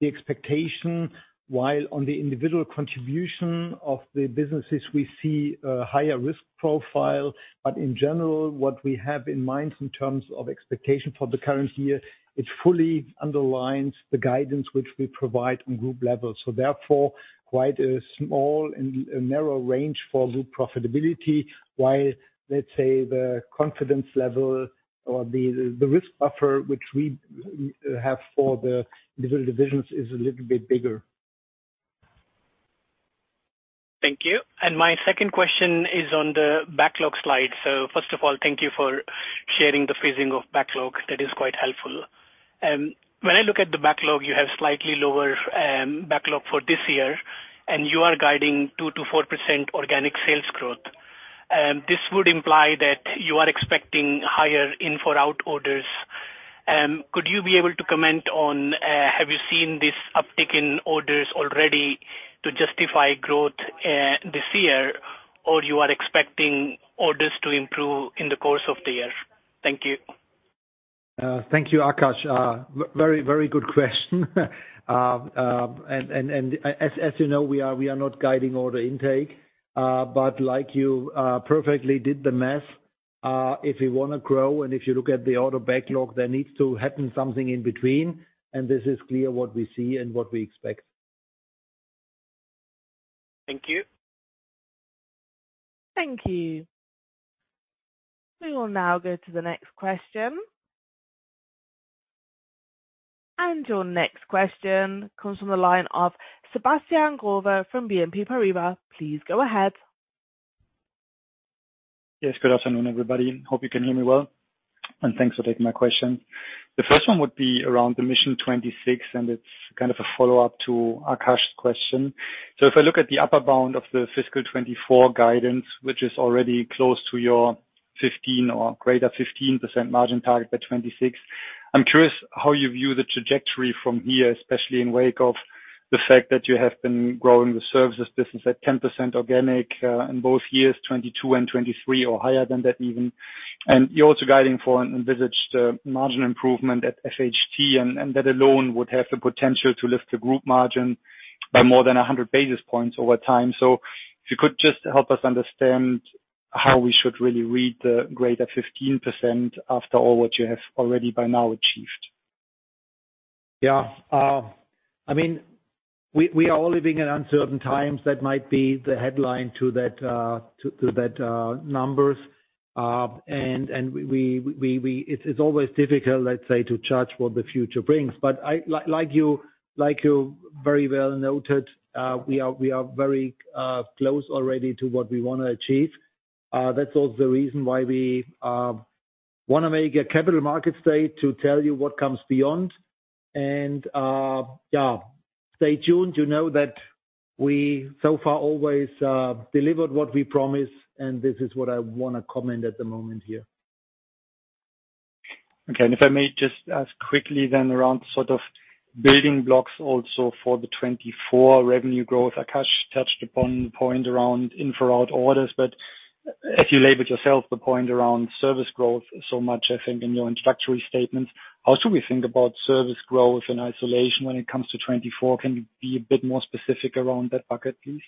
the expectation, while on the individual contribution of the businesses, we see a higher risk profile. But in general, what we have in mind in terms of expectation for the current year, it fully underlines the guidance which we provide on group level. So therefore, quite a small and a narrow range for group profitability, while, let's say, the confidence level or the risk buffer which we have for the different divisions is a little bit bigger. Thnk you. My second question is on the backlog slide. First of all, thank you for sharing the phasing of backlog. That is quite helpful. When I look at the backlog, you have slightly lower backlog for this year, and you are guiding 2%-4% organic sales growth. This would imply that you are expecting higher in-for-out orders- .Could you be able to comment on, have you seen this uptick in orders already to justify growth, this year? Or you are expecting orders to improve in the course of the year? Thank you. Thank you, Akash. Very, very good question. And as you know, we are not guiding order intake. But like you perfectly did the math, if we wanna grow, and if you look at the order backlog, there needs to happen something in between, and this is clear what we see and what we expect. Thank you. Thank you. We will now go to the next question. Your next question comes from the line of Sebastian Growe from BNP Paribas. Please go ahead. Yes, good afternoon, everybody, and hope you can hear me well, and thanks for taking my question. The first one would be around the Mission 26, and it's kind of a follow-up to Akash's question. So if I look at the upper bound of the Fiscal 2024 guidance, which is already close to your 15 or greater 15% margin target by 2026, I'm curious how you view the trajectory from here, especially in wake of the fact that you have been growing the services business at 10% organic, in both years, 2022 and 2023, or higher than that even. And you're also guiding for an envisaged, margin improvement at FHT, and, and that alone would have the potential to lift the group margin by more than 100 basis points over time. If you could just help us understand how we should really read the greater 15%, after all what you have already by now achieved? Yeah. I mean, we are all living in uncertain times. That might be the headline to those numbers. And it's always difficult, let's say, to judge what the future brings. But I like you very well noted, we are very close already to what we wanna achieve. That's also the reason why we wanna make a Capital Market Day to tell you what comes beyond. And yeah, stay tuned. You know that we so far always delivered what we promised, and this is what I wanna comment at the moment here. Okay, and if I may just ask quickly then around sort of building blocks also for the 2024 revenue growth. Akash touched upon the point around infra orders, but as you labeled yourself, the point around service growth so much, I think, in your introductory statements. How should we think about service growth in isolation when it comes to 2024? Can you be a bit more specific around that bucket, please?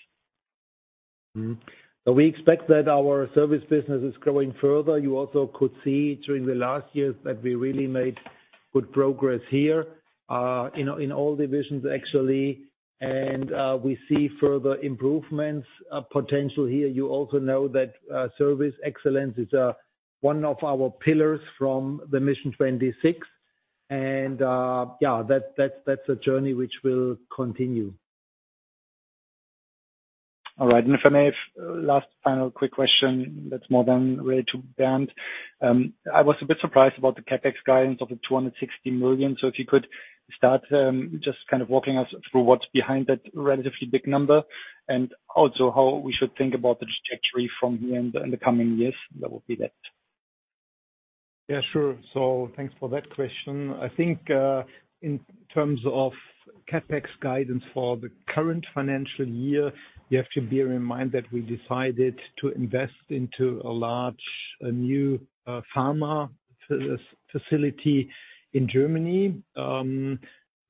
Mm-hmm. So we expect that our service business is growing further. You also could see during the last years that we really made good progress here in all divisions, actually. And we see further improvements potential here. You also know that service excellence is one of our pillars from the Mission 26. And yeah, that's a journey which will continue. All right. If I may, last final quick question that's more than related to Bernd. I was a bit surprised about the CapEx guidance of 260 million. So if you could start, just kind of walking us through what's behind that relatively big number, and also how we should think about the trajectory from here in the, in the coming years? That would be that. Yeah, sure. So thanks for that question. I think, in terms of CapEx guidance for the current financial year, you have to bear in mind that we decided to invest into a large, new, pharma facility in Germany.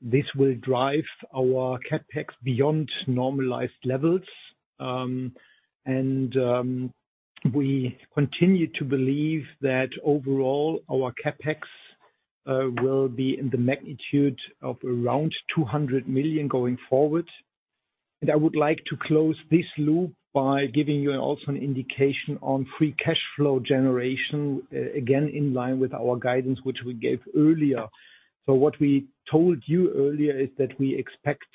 This will drive our CapEx beyond normalized levels. And we continue to believe that overall, our CapEx will be in the magnitude of around 200 million going forward. And I would like to close this loop by giving you also an indication on free cash flow generation, again, in line with our guidance, which we gave earlier. So what we told you earlier is that we expect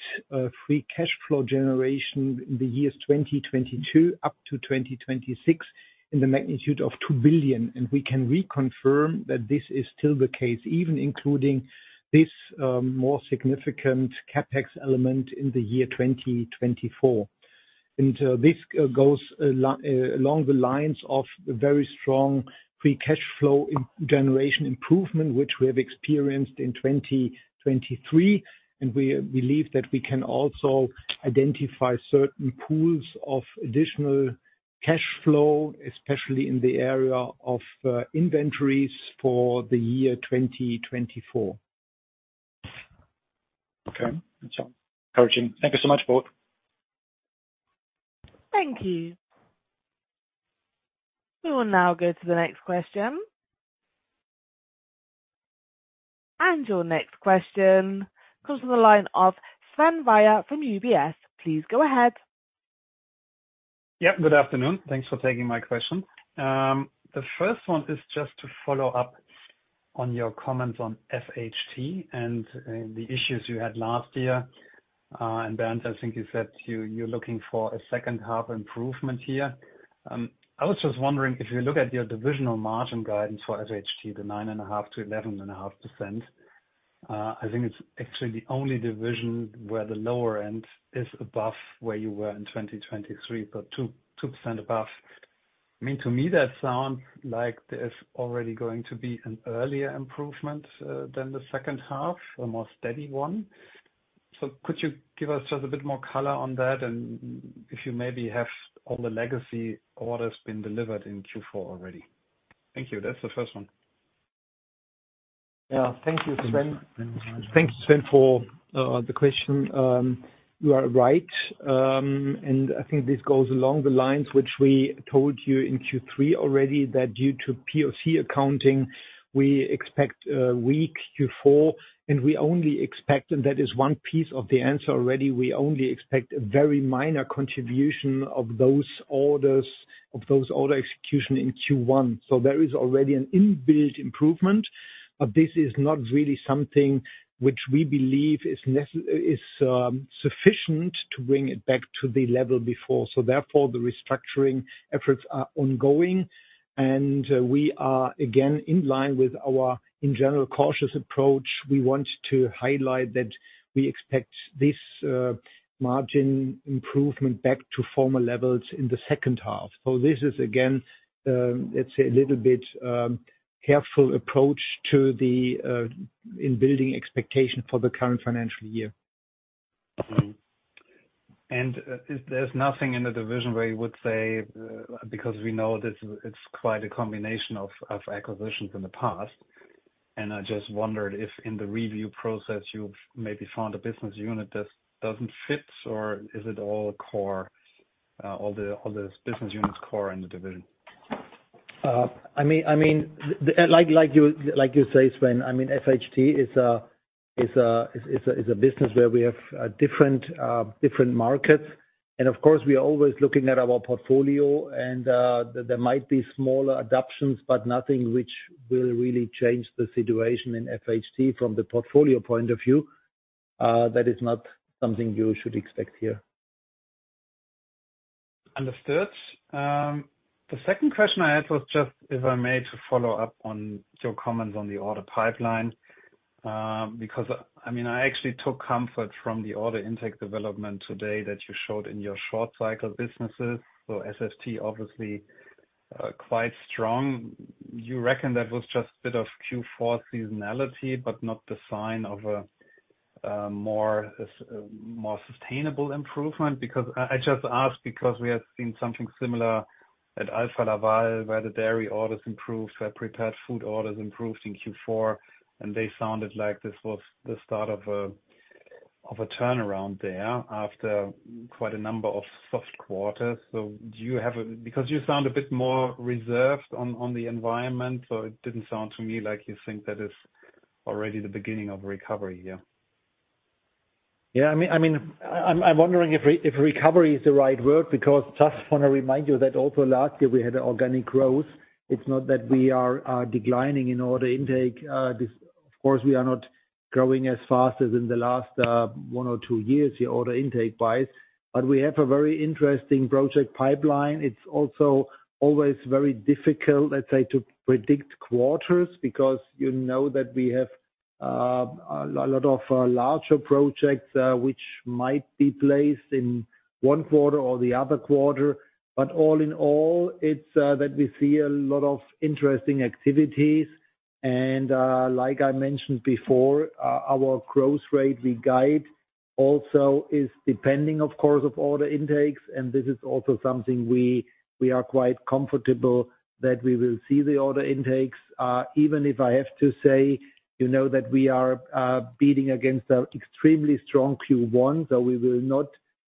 free cash flow generation in the years 2022 up to 2026, in the magnitude of 2 billion. And we can reconfirm that this is still the case, even including this, more significant CapEx element in the year 2024. And this goes along the lines of a very strong free cash flow in generation improvement, which we have experienced in 2023. And we believe that we can also identify certain pools of additional cash flow, especially in the area of inventories for the year 2024. Okay. That's encouraging. Thank you so much, both. Thank you. We will now go to the next question. Your next question comes from the line of Sven Weier from UBS. Please go ahead. Yeah, good afternoon. Thanks for taking my question. The first one is just to follow up on your comments on FHT and the issues you had last year. And Bernd, I think you said you're looking for a second half improvement here. I was just wondering, if you look at your divisional margin guidance for FHT, the 9.5%-11.5%. I think it's actually the only division where the lower end is above where you were in 2023, but 2.2% above. I mean, to me, that sound like there's already going to be an earlier improvement than the second half, a more steady one. So could you give us just a bit more color on that, and if you maybe have all the legacy orders being delivered in Q4 already? Thank you. That's the first one. Yeah, thank you, Sven. Thank you, Sven, for the question. You are right. And I think this goes along the lines which we told you in Q3 already, that due to POC accounting, we expect a weak Q4, and we only expect, and that is one piece of the answer already, we only expect a very minor contribution of those orders, of those order execution in Q1. So there is already an inbuilt improvement, but this is not really something which we believe is sufficient to bring it back to the level before. So therefore, the restructuring efforts are ongoing, and we are again in line with our, in general, cautious approach. We want to highlight that we expect this margin improvement back to former levels in the second half. So this is again, let's say, a little bit careful approach to the in-building expectation for the current financial year. There's nothing in the division where you would say, because we know that it's quite a combination of acquisitions in the past, and I just wondered if in the review process you've maybe found a business unit that doesn't fit, or is it all core, all the business units core in the division? I mean, like you say, Sven, I mean, FHT is a business where we have different markets. Of course, we are always looking at our portfolio and there might be smaller adoptions, but nothing which will really change the situation in FHT from the portfolio point of view. That is not something you should expect here. Understood. The second question I had was just, if I may, to follow up on your comments on the order pipeline, because, I mean, I actually took comfort from the order intake development today that you showed in your short cycle businesses. So SFT, obviously, quite strong. You reckon that was just a bit of Q4 seasonality, but not the sign of a more sustainable improvement? Because I just asked because we had seen something similar at Alfa Laval, where the dairy orders improved, prepared food orders improved in Q4, and they sounded like this was the start of a turnaround there after quite a number of soft quarters. So do you have a Because you sound a bit more reserved on the environment, so it didn't sound to me like you think that is already the beginning of a recovery here. Yeah, I mean, I mean, I'm wondering if recovery is the right word, because just want to remind you that also last year we had organic growth. It's not that we are declining in order intake. This, of course, we are not growing as fast as in the last one or two years, the order intake-wise, but we have a very interesting project pipeline. It's also always very difficult, let's say, to predict quarters, because you know that we have a lot of larger projects which might be placed in one quarter or the other quarter. But all in all, it's that we see a lot of interesting activities. And, like I mentioned before, our growth rate we guide also is depending, of course, of order intakes, and this is also something we, we are quite comfortable that we will see the order intakes. Even if I have to say, you know, that we are beating against an extremely strong Q1, so we will not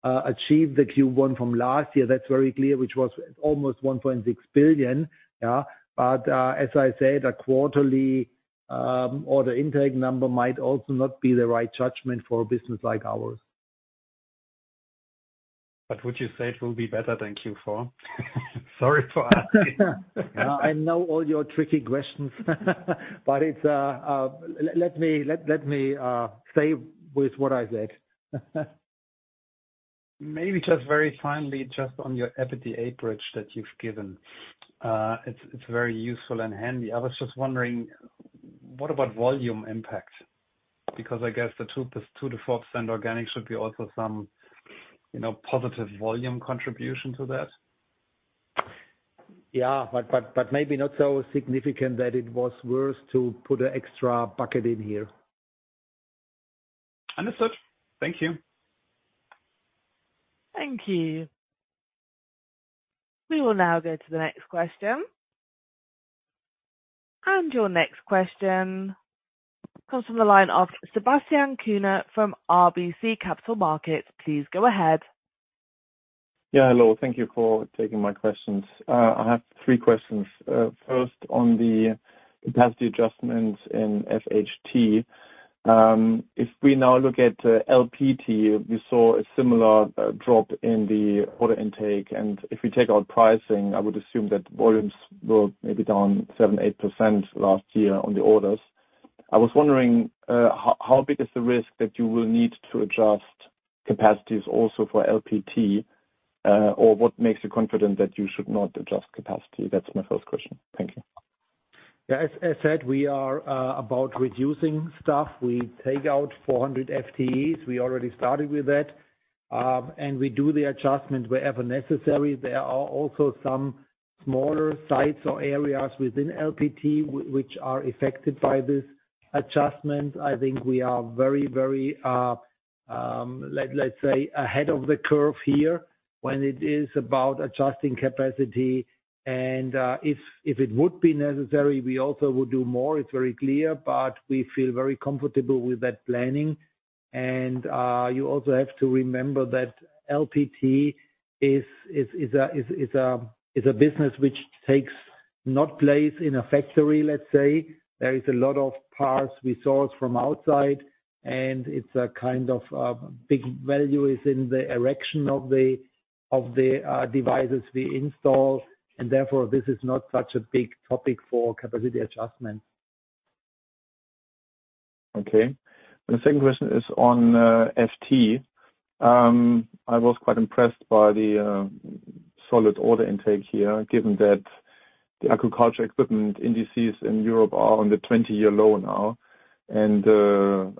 achieve the Q1 from last year, that's very clear, which was almost 1.6 billion, yeah? But, as I said, a quarterly order intake number might also not be the right judgment for a business like ours. But would you say it will be better than Q4? Sorry for asking. I know all your tricky questions, but it's let me say with what I said. Maybe just very finally, just on your EBITDA bridge that you've given, it's very useful and handy. I was just wondering, what about volume impact? Because I guess the 2%-4% organic should be also some, you know, positive volume contribution to that. Yeah, but maybe not so significant that it was worth to put an extra bucket in here. Understood. Thank you. Thank you. We will now go to the next question. Your next question comes from the line of Sebastian Kuenne from RBC Capital Markets. Please go ahead. Yeah, hello, thank you for taking my questions. I have three questions. First, on the capacity adjustments in FHT. If we now look at LPT, we saw a similar drop in the order intake, and if we take out pricing, I would assume that volumes were maybe down 7%-8% last year on the orders. I was wondering how big is the risk that you will need to adjust capacities also for LPT, or what makes you confident that you should not adjust capacity? That's my first question. Thank you. Yeah, as said, we are about reducing staff. We take out 400 FTEs. We already started with that, and we do the adjustment wherever necessary. There are also some smaller sites or areas within LPT which are affected by this adjustment. I think we are very, very, let's say, ahead of the curve here when it is about adjusting capacity. If it would be necessary, we also would do more, it's very clear, but we feel very comfortable with that planning. You also have to remember that LPT is a business which takes not place in a factory, let's say. There is a lot of parts we source from outside, and it's a kind of big value is in the erection of the devices we install, and therefore, this is not such a big topic for capacity adjustment. Okay. And the second question is on FT. I was quite impressed by the solid order intake here, given that the agriculture equipment indices in Europe are on the 20-year low now. And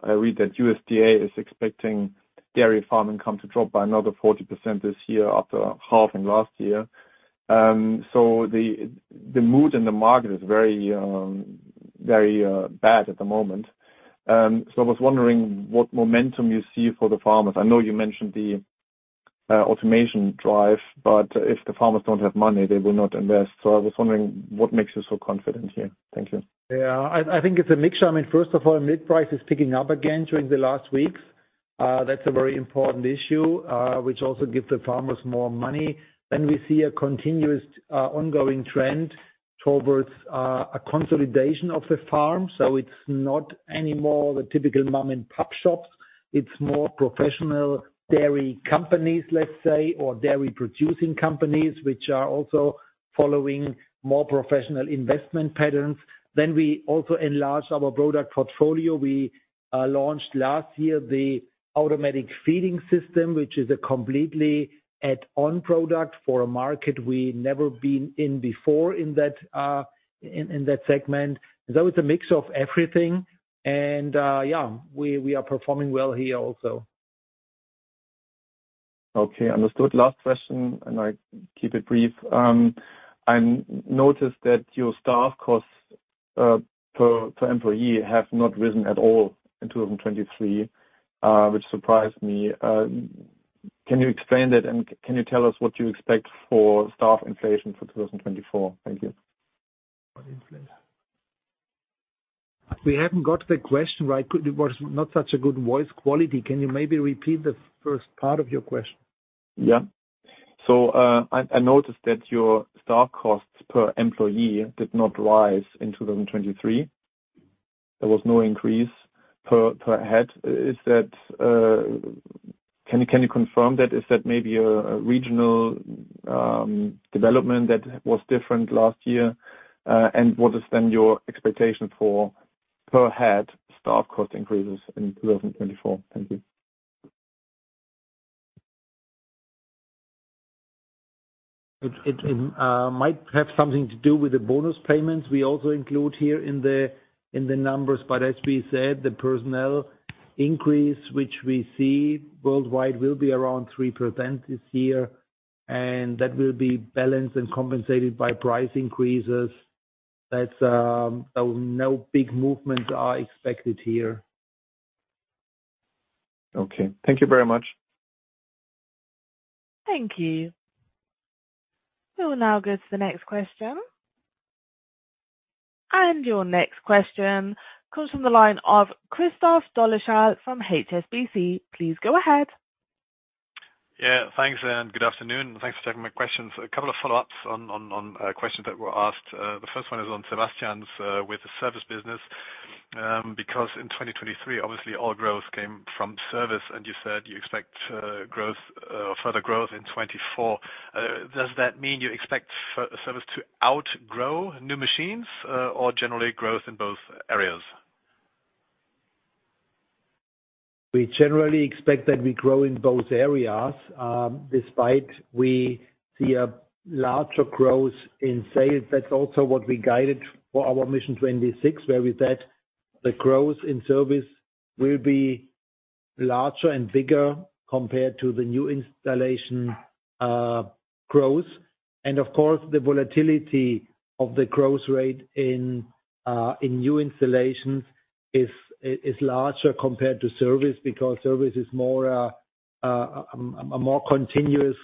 I read that USDA is expecting dairy farm income to drop by another 40% this year after halving last year. So the mood in the market is very bad at the moment. So I was wondering what momentum you see for the farmers. I know you mentioned the automation drive, but if the farmers don't have money, they will not invest. So I was wondering what makes you so confident here? Thank you. Yeah, I think it's a mixture. I mean, first of all, milk price is picking up again during the last weeks. That's a very important issue, which also give the farmers more money. Then we see a continuous, ongoing trend towards a consolidation of the farm. So it's not any more the typical mom-and-pop shops. It's more professional dairy companies, let's say, or dairy-producing companies, which are also following more professional investment patterns. Then we also enlarge our product portfolio. We launched last year the automatic feeding system, which is a completely add-on product for a market we've never been in before in that segment. So it's a mix of everything, and yeah, we are performing well here also. Okay, understood. Last question, and I keep it brief. I noticed that your staff costs per employee have not risen at all in 2023, which surprised me. Can you explain that, and can you tell us what you expect for staff inflation for 2024? Thank you. We haven't got the question right. It was not such a good voice quality. Can you maybe repeat the first part of your question? Yeah. So, I noticed that your staff costs per employee did not rise in 2023. There was no increase per head. Can you confirm that? Is that maybe a regional development that was different last year? And what is then your expectation for per-head staff cost increases in 2024? Thank you. It might have something to do with the bonus payments we also include here in the numbers. But as we said, the personnel increase which we see worldwide will be around 3% this year, and that will be balanced and compensated by price increases. That's. There was no big movements are expected here. Okay. Thank you very much. Thank you. We will now go to the next question. Your next question comes from the line of Christoph Dolleschal from HSBC. Please go ahead. Yeah, thanks, and good afternoon, and thanks for taking my questions. A couple of follow-ups on questions that were asked. The first one is on Sebastian's with the service business, because in 2023, obviously, all growth came from service, and you said you expect further growth in 2024. Does that mean you expect service to outgrow new machines, or generally growth in both areas? We generally expect that we grow in both areas, despite we see a larger growth in sales. That's also what we guided for our Mission 26, where we said the growth in service will be larger and bigger compared to the new installation growth. And of course, the volatility of the growth rate in new installations is larger compared to service, because service is more a more continuous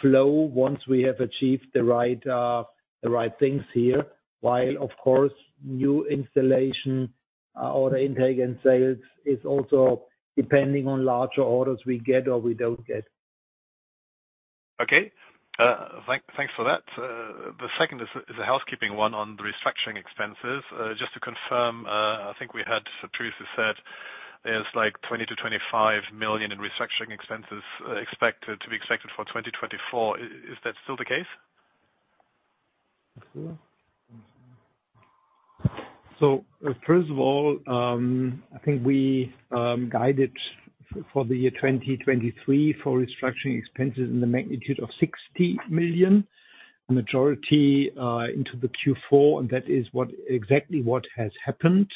flow once we have achieved the right things here. While, of course, new installation order intake and sales is also depending on larger orders we get or we don't get. Okay. Thanks for that. The second is a housekeeping one on the restructuring expenses. Just to confirm, I think we had previously said there's, like, 20 million-25 million in restructuring expenses, expected to be expected for 2024. Is that still the case? Okay. First of all, I think we guided for the year 2023 for restructuring expenses in the magnitude of 60 million, the majority into the Q4, and that is exactly what has happened.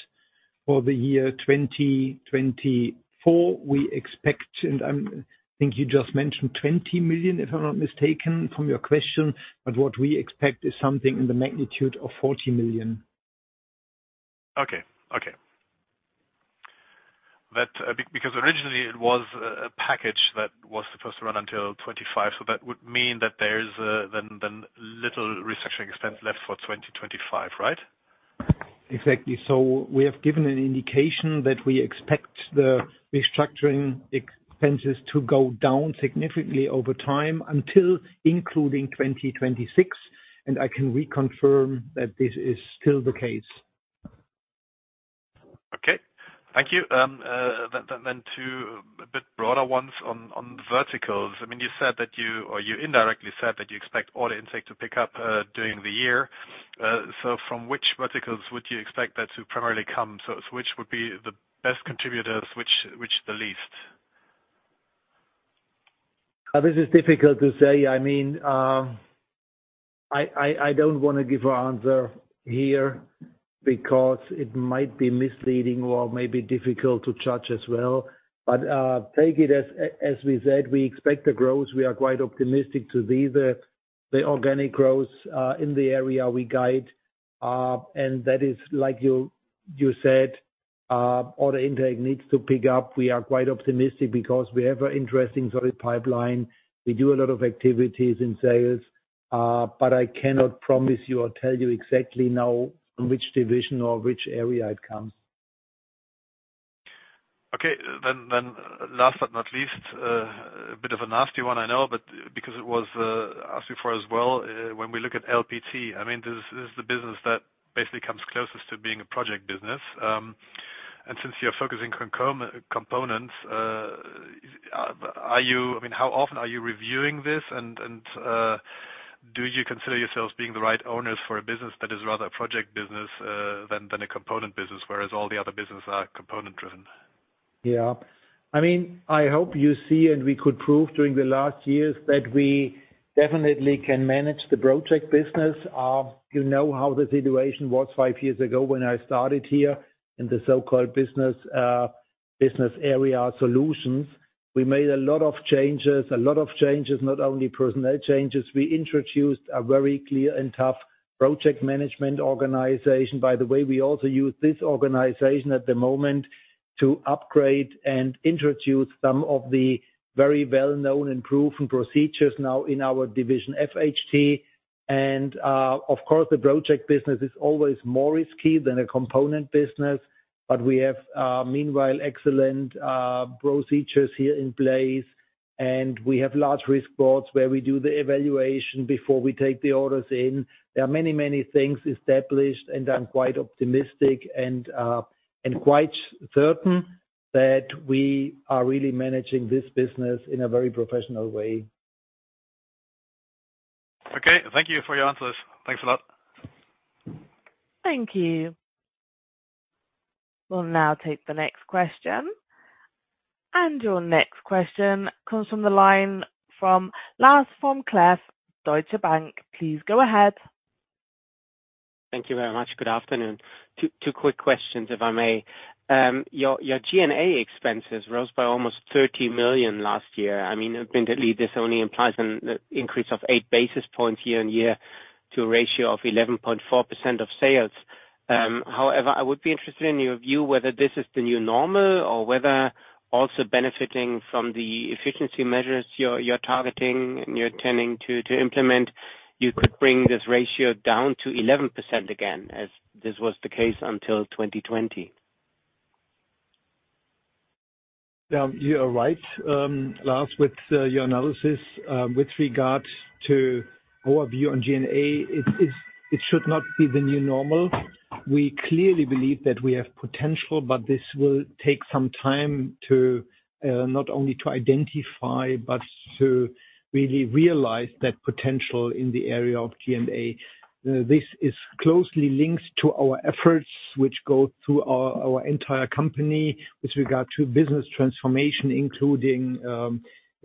For the year 2024, we expect, and I think you just mentioned 20 million, if I'm not mistaken, from your question, but what we expect is something in the magnitude of 40 million. Okay. Okay. That, because originally it was a package that was supposed to run until 2025, so that would mean that there's then little restructuring expense left for 2025, right? Exactly. So we have given an indication that we expect the restructuring expenses to go down significantly over time until including 2026, and I can reconfirm that this is still the case. Okay, thank you. Then to a bit broader ones on the verticals. I mean, you said that you, or you indirectly said that you expect order intake to pick up during the year. So from which verticals would you expect that to primarily come? So which would be the best contributors, which the least? This is difficult to say. I mean, I don't want to give an answer here because it might be misleading or may be difficult to judge as well. But, take it as, as we said, we expect the growth. We are quite optimistic to see the, the organic growth, in the area we guide. And that is like you, you said, order intake needs to pick up. We are quite optimistic because we have an interesting solid pipeline. We do a lot of activities in sales, but I cannot promise you or tell you exactly now from which division or which area it comes. Okay. Then last but not least, a bit of a nasty one I know, but because it was asked before as well, when we look at LPT, I mean, this is the business that basically comes closest to being a project business. And since you're focusing on components, are you I mean, how often are you reviewing this? And do you consider yourselves being the right owners for a business that is rather a project business than a component business, whereas all the other business are component driven? Yeah. I mean, I hope you see, and we could prove during the last years, that we definitely can manage the project business. You know how the situation was five years ago when I started here in the so-called business, business area solutions. We made a lot of changes, a lot of changes, not only personnel changes. We introduced a very clear and tough project management organization. By the way, we also use this organization at the moment to upgrade and introduce some of the very well-known and proven procedures now in our division, FHT. And, of course, the project business is always more risky than a component business, but we have, meanwhile, excellent, procedures here in place, and we have large risk boards where we do the evaluation before we take the orders in. There are many, many things established, and I'm quite optimistic and, and quite certain that we are really managing this business in a very professional way. Okay. Thank you for your answers. Thanks a lot. Thank you. We'll now take the next question. Your next question comes from the line from Lars vom Cleff, Deutsche Bank. Please go ahead. Thank you very much. Good afternoon. Two quick questions, if I may. Your G&A expenses rose by almost 30 million last year. I mean, evidently, this only implies an increase of eight basis points year-on-year to a ratio of 11.4% of sales. However, I would be interested in your view, whether this is the new normal or whether also benefiting from the efficiency measures you're targeting and you're tending to implement, you could bring this ratio down to 11% again, as this was the case until 2020. You are right, Lars, with your analysis. With regards to our view on G&A, it should not be the new normal. We clearly believe that we have potential, but this will take some time to not only identify, but to really realize that potential in the area of G&A. This is closely linked to our efforts, which go through our entire company with regard to business transformation, including the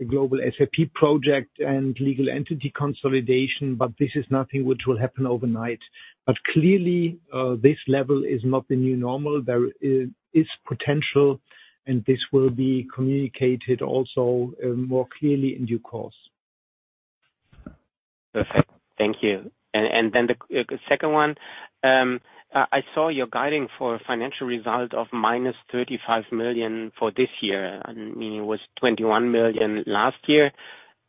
global SAP project and legal entity consolidation, but this is nothing which will happen overnight. But clearly, this level is not the new normal. There is potential, and this will be communicated also more clearly in due course. Perfect. Thank you. Then the second one, I saw you're guiding for a financial result of -35 million for this year. I mean, it was 21 million last year.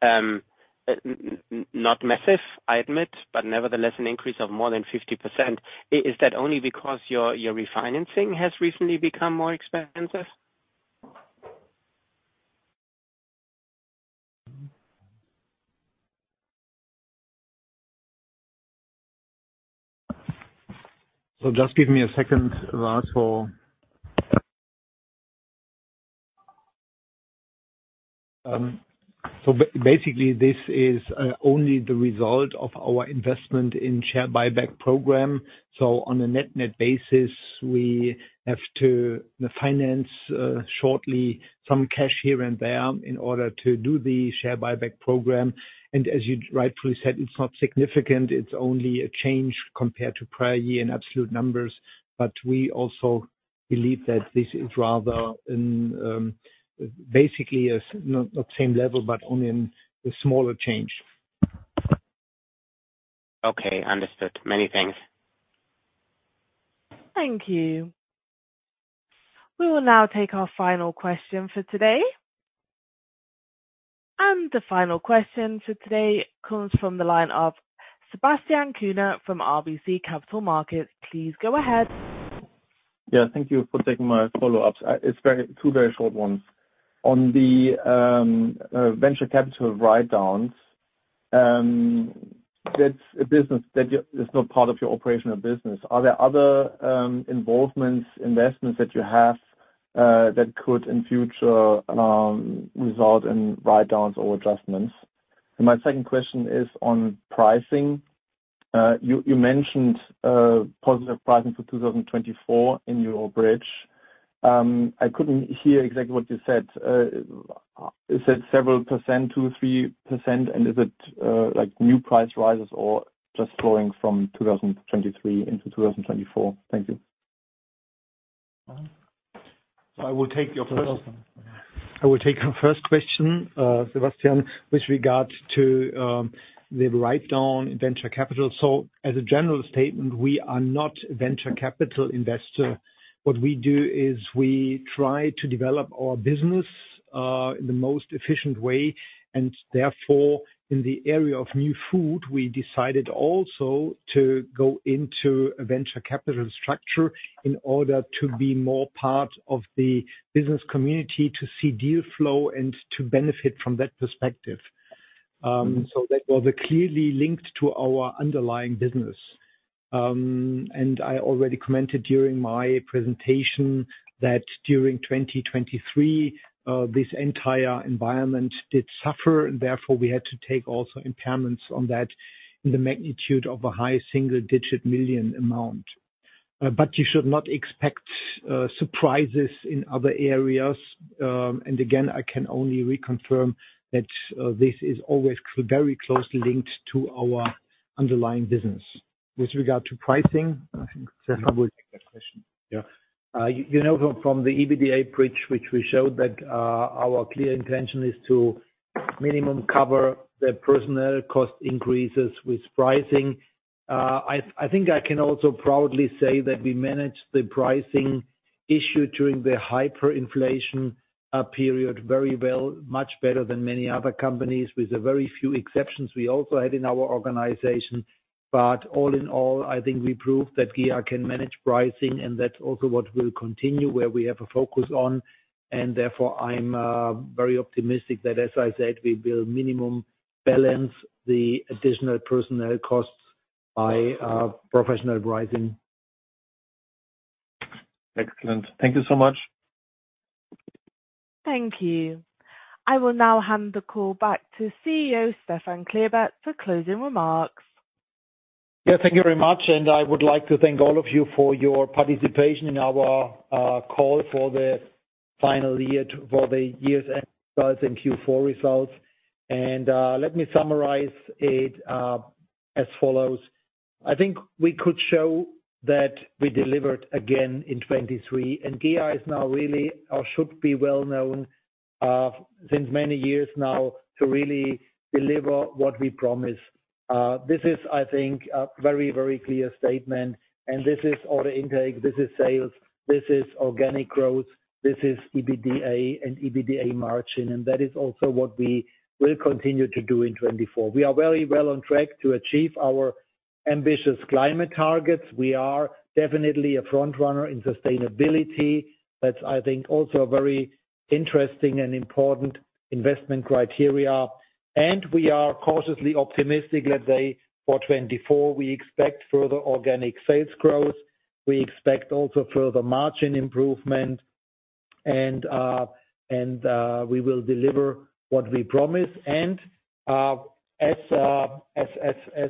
Not massive, I admit, but nevertheless, an increase of more than 50%. Is that only because your refinancing has recently become more expensive? So just give me a second, Lars, for- So basically, this is only the result of our investment in share buyback program. So on a net-net basis, we have to finance shortly some cash here and there in order to do the share buyback program. And as you rightfully said, it's not significant. It's only a change compared to prior year in absolute numbers. But we also believe that this is rather in basically, not same level, but only in the smaller change. Okay, understood. Many thanks. Thank you. We will now take our final question for today. The final question for today comes from the line of Sebastian Kuenne from RBC Capital Markets. Please go ahead. Yeah, thank you for taking my follow-ups. It's two very short ones. On the venture capital write-downs, that's a business that is not part of your operational business. Are there other involvements, investments that you have that could in future result in write-downs or adjustments? And my second question is on pricing. You mentioned positive pricing for 2024 in your bridge. I couldn't hear exactly what you said. You said several percent, 2%-3%, and is it like new price rises or just flowing from 2023 into 2024? Thank you. I will take your first one. I will take your first question, Sebastian, with regards to the write-down in venture capital. So as a general statement, we are not a venture capital investor. What we do is we try to develop our business in the most efficient way, and therefore, in the area of New Food, we decided also to go into a venture capital structure in order to be more part of the business community, to see deal flow and to benefit from that perspective. So that was clearly linked to our underlying business. And I already commented during my presentation that during 2023, this entire environment did suffer, and therefore, we had to take also impairments on that in the magnitude of a high single-digit million EUR amount. But you should not expect surprises in other areas. And again, I can only reconfirm that, this is always very closely linked to our underlying business. With regard to pricing, I think Stefan will take that question. Yeah. You know from, from the EBITDA bridge, which we showed, that, our clear intention is to minimum cover the personnel cost increases with pricing. I think I can also proudly say that we managed the pricing issue during the hyperinflation, period very well, much better than many other companies, with a very few exceptions we also had in our organization. But all in all, I think we proved that GEA can manage pricing, and that's also what will continue, where we have a focus on. And therefore, I'm very optimistic that, as I said, we will minimum balance the additional personnel costs by, professional pricing. Excellent. Thank you so much. Thank you. I will now hand the call back to CEO Stefan Klebert for closing remarks. Yeah, thank you very much, and I would like to thank all of you for your participation in our call for the final year, for the year's results and Q4 results. And let me summarize it as follows: I think we could show that we delivered again in 2023, and GEA is now really, or should be well known since many years now, to really deliver what we promise. This is, I think, a very, very clear statement, and this is order intake, this is sales, this is organic growth, this is EBITDA and EBITDA margin, and that is also what we will continue to do in 2024. We are very well on track to achieve our ambitious climate targets. We are definitely a front runner in sustainability. That's, I think, also a very interesting and important investment criteria. We are cautiously optimistic that for 2024, we expect further organic sales growth. We expect also further margin improvement, and we will deliver what we promise. As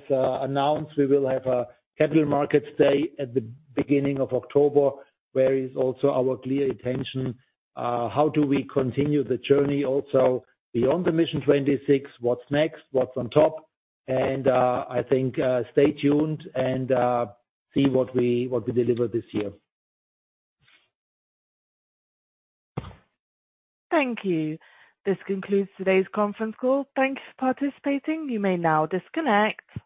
announced, we will have a capital markets day at the beginning of October, where is also our clear intention how do we continue the journey also beyond the Mission 2026? What's next? What's on top? And I think stay tuned and see what we deliver this year. Thank you. This concludes today's conference call. Thank you for participating. You may now disconnect.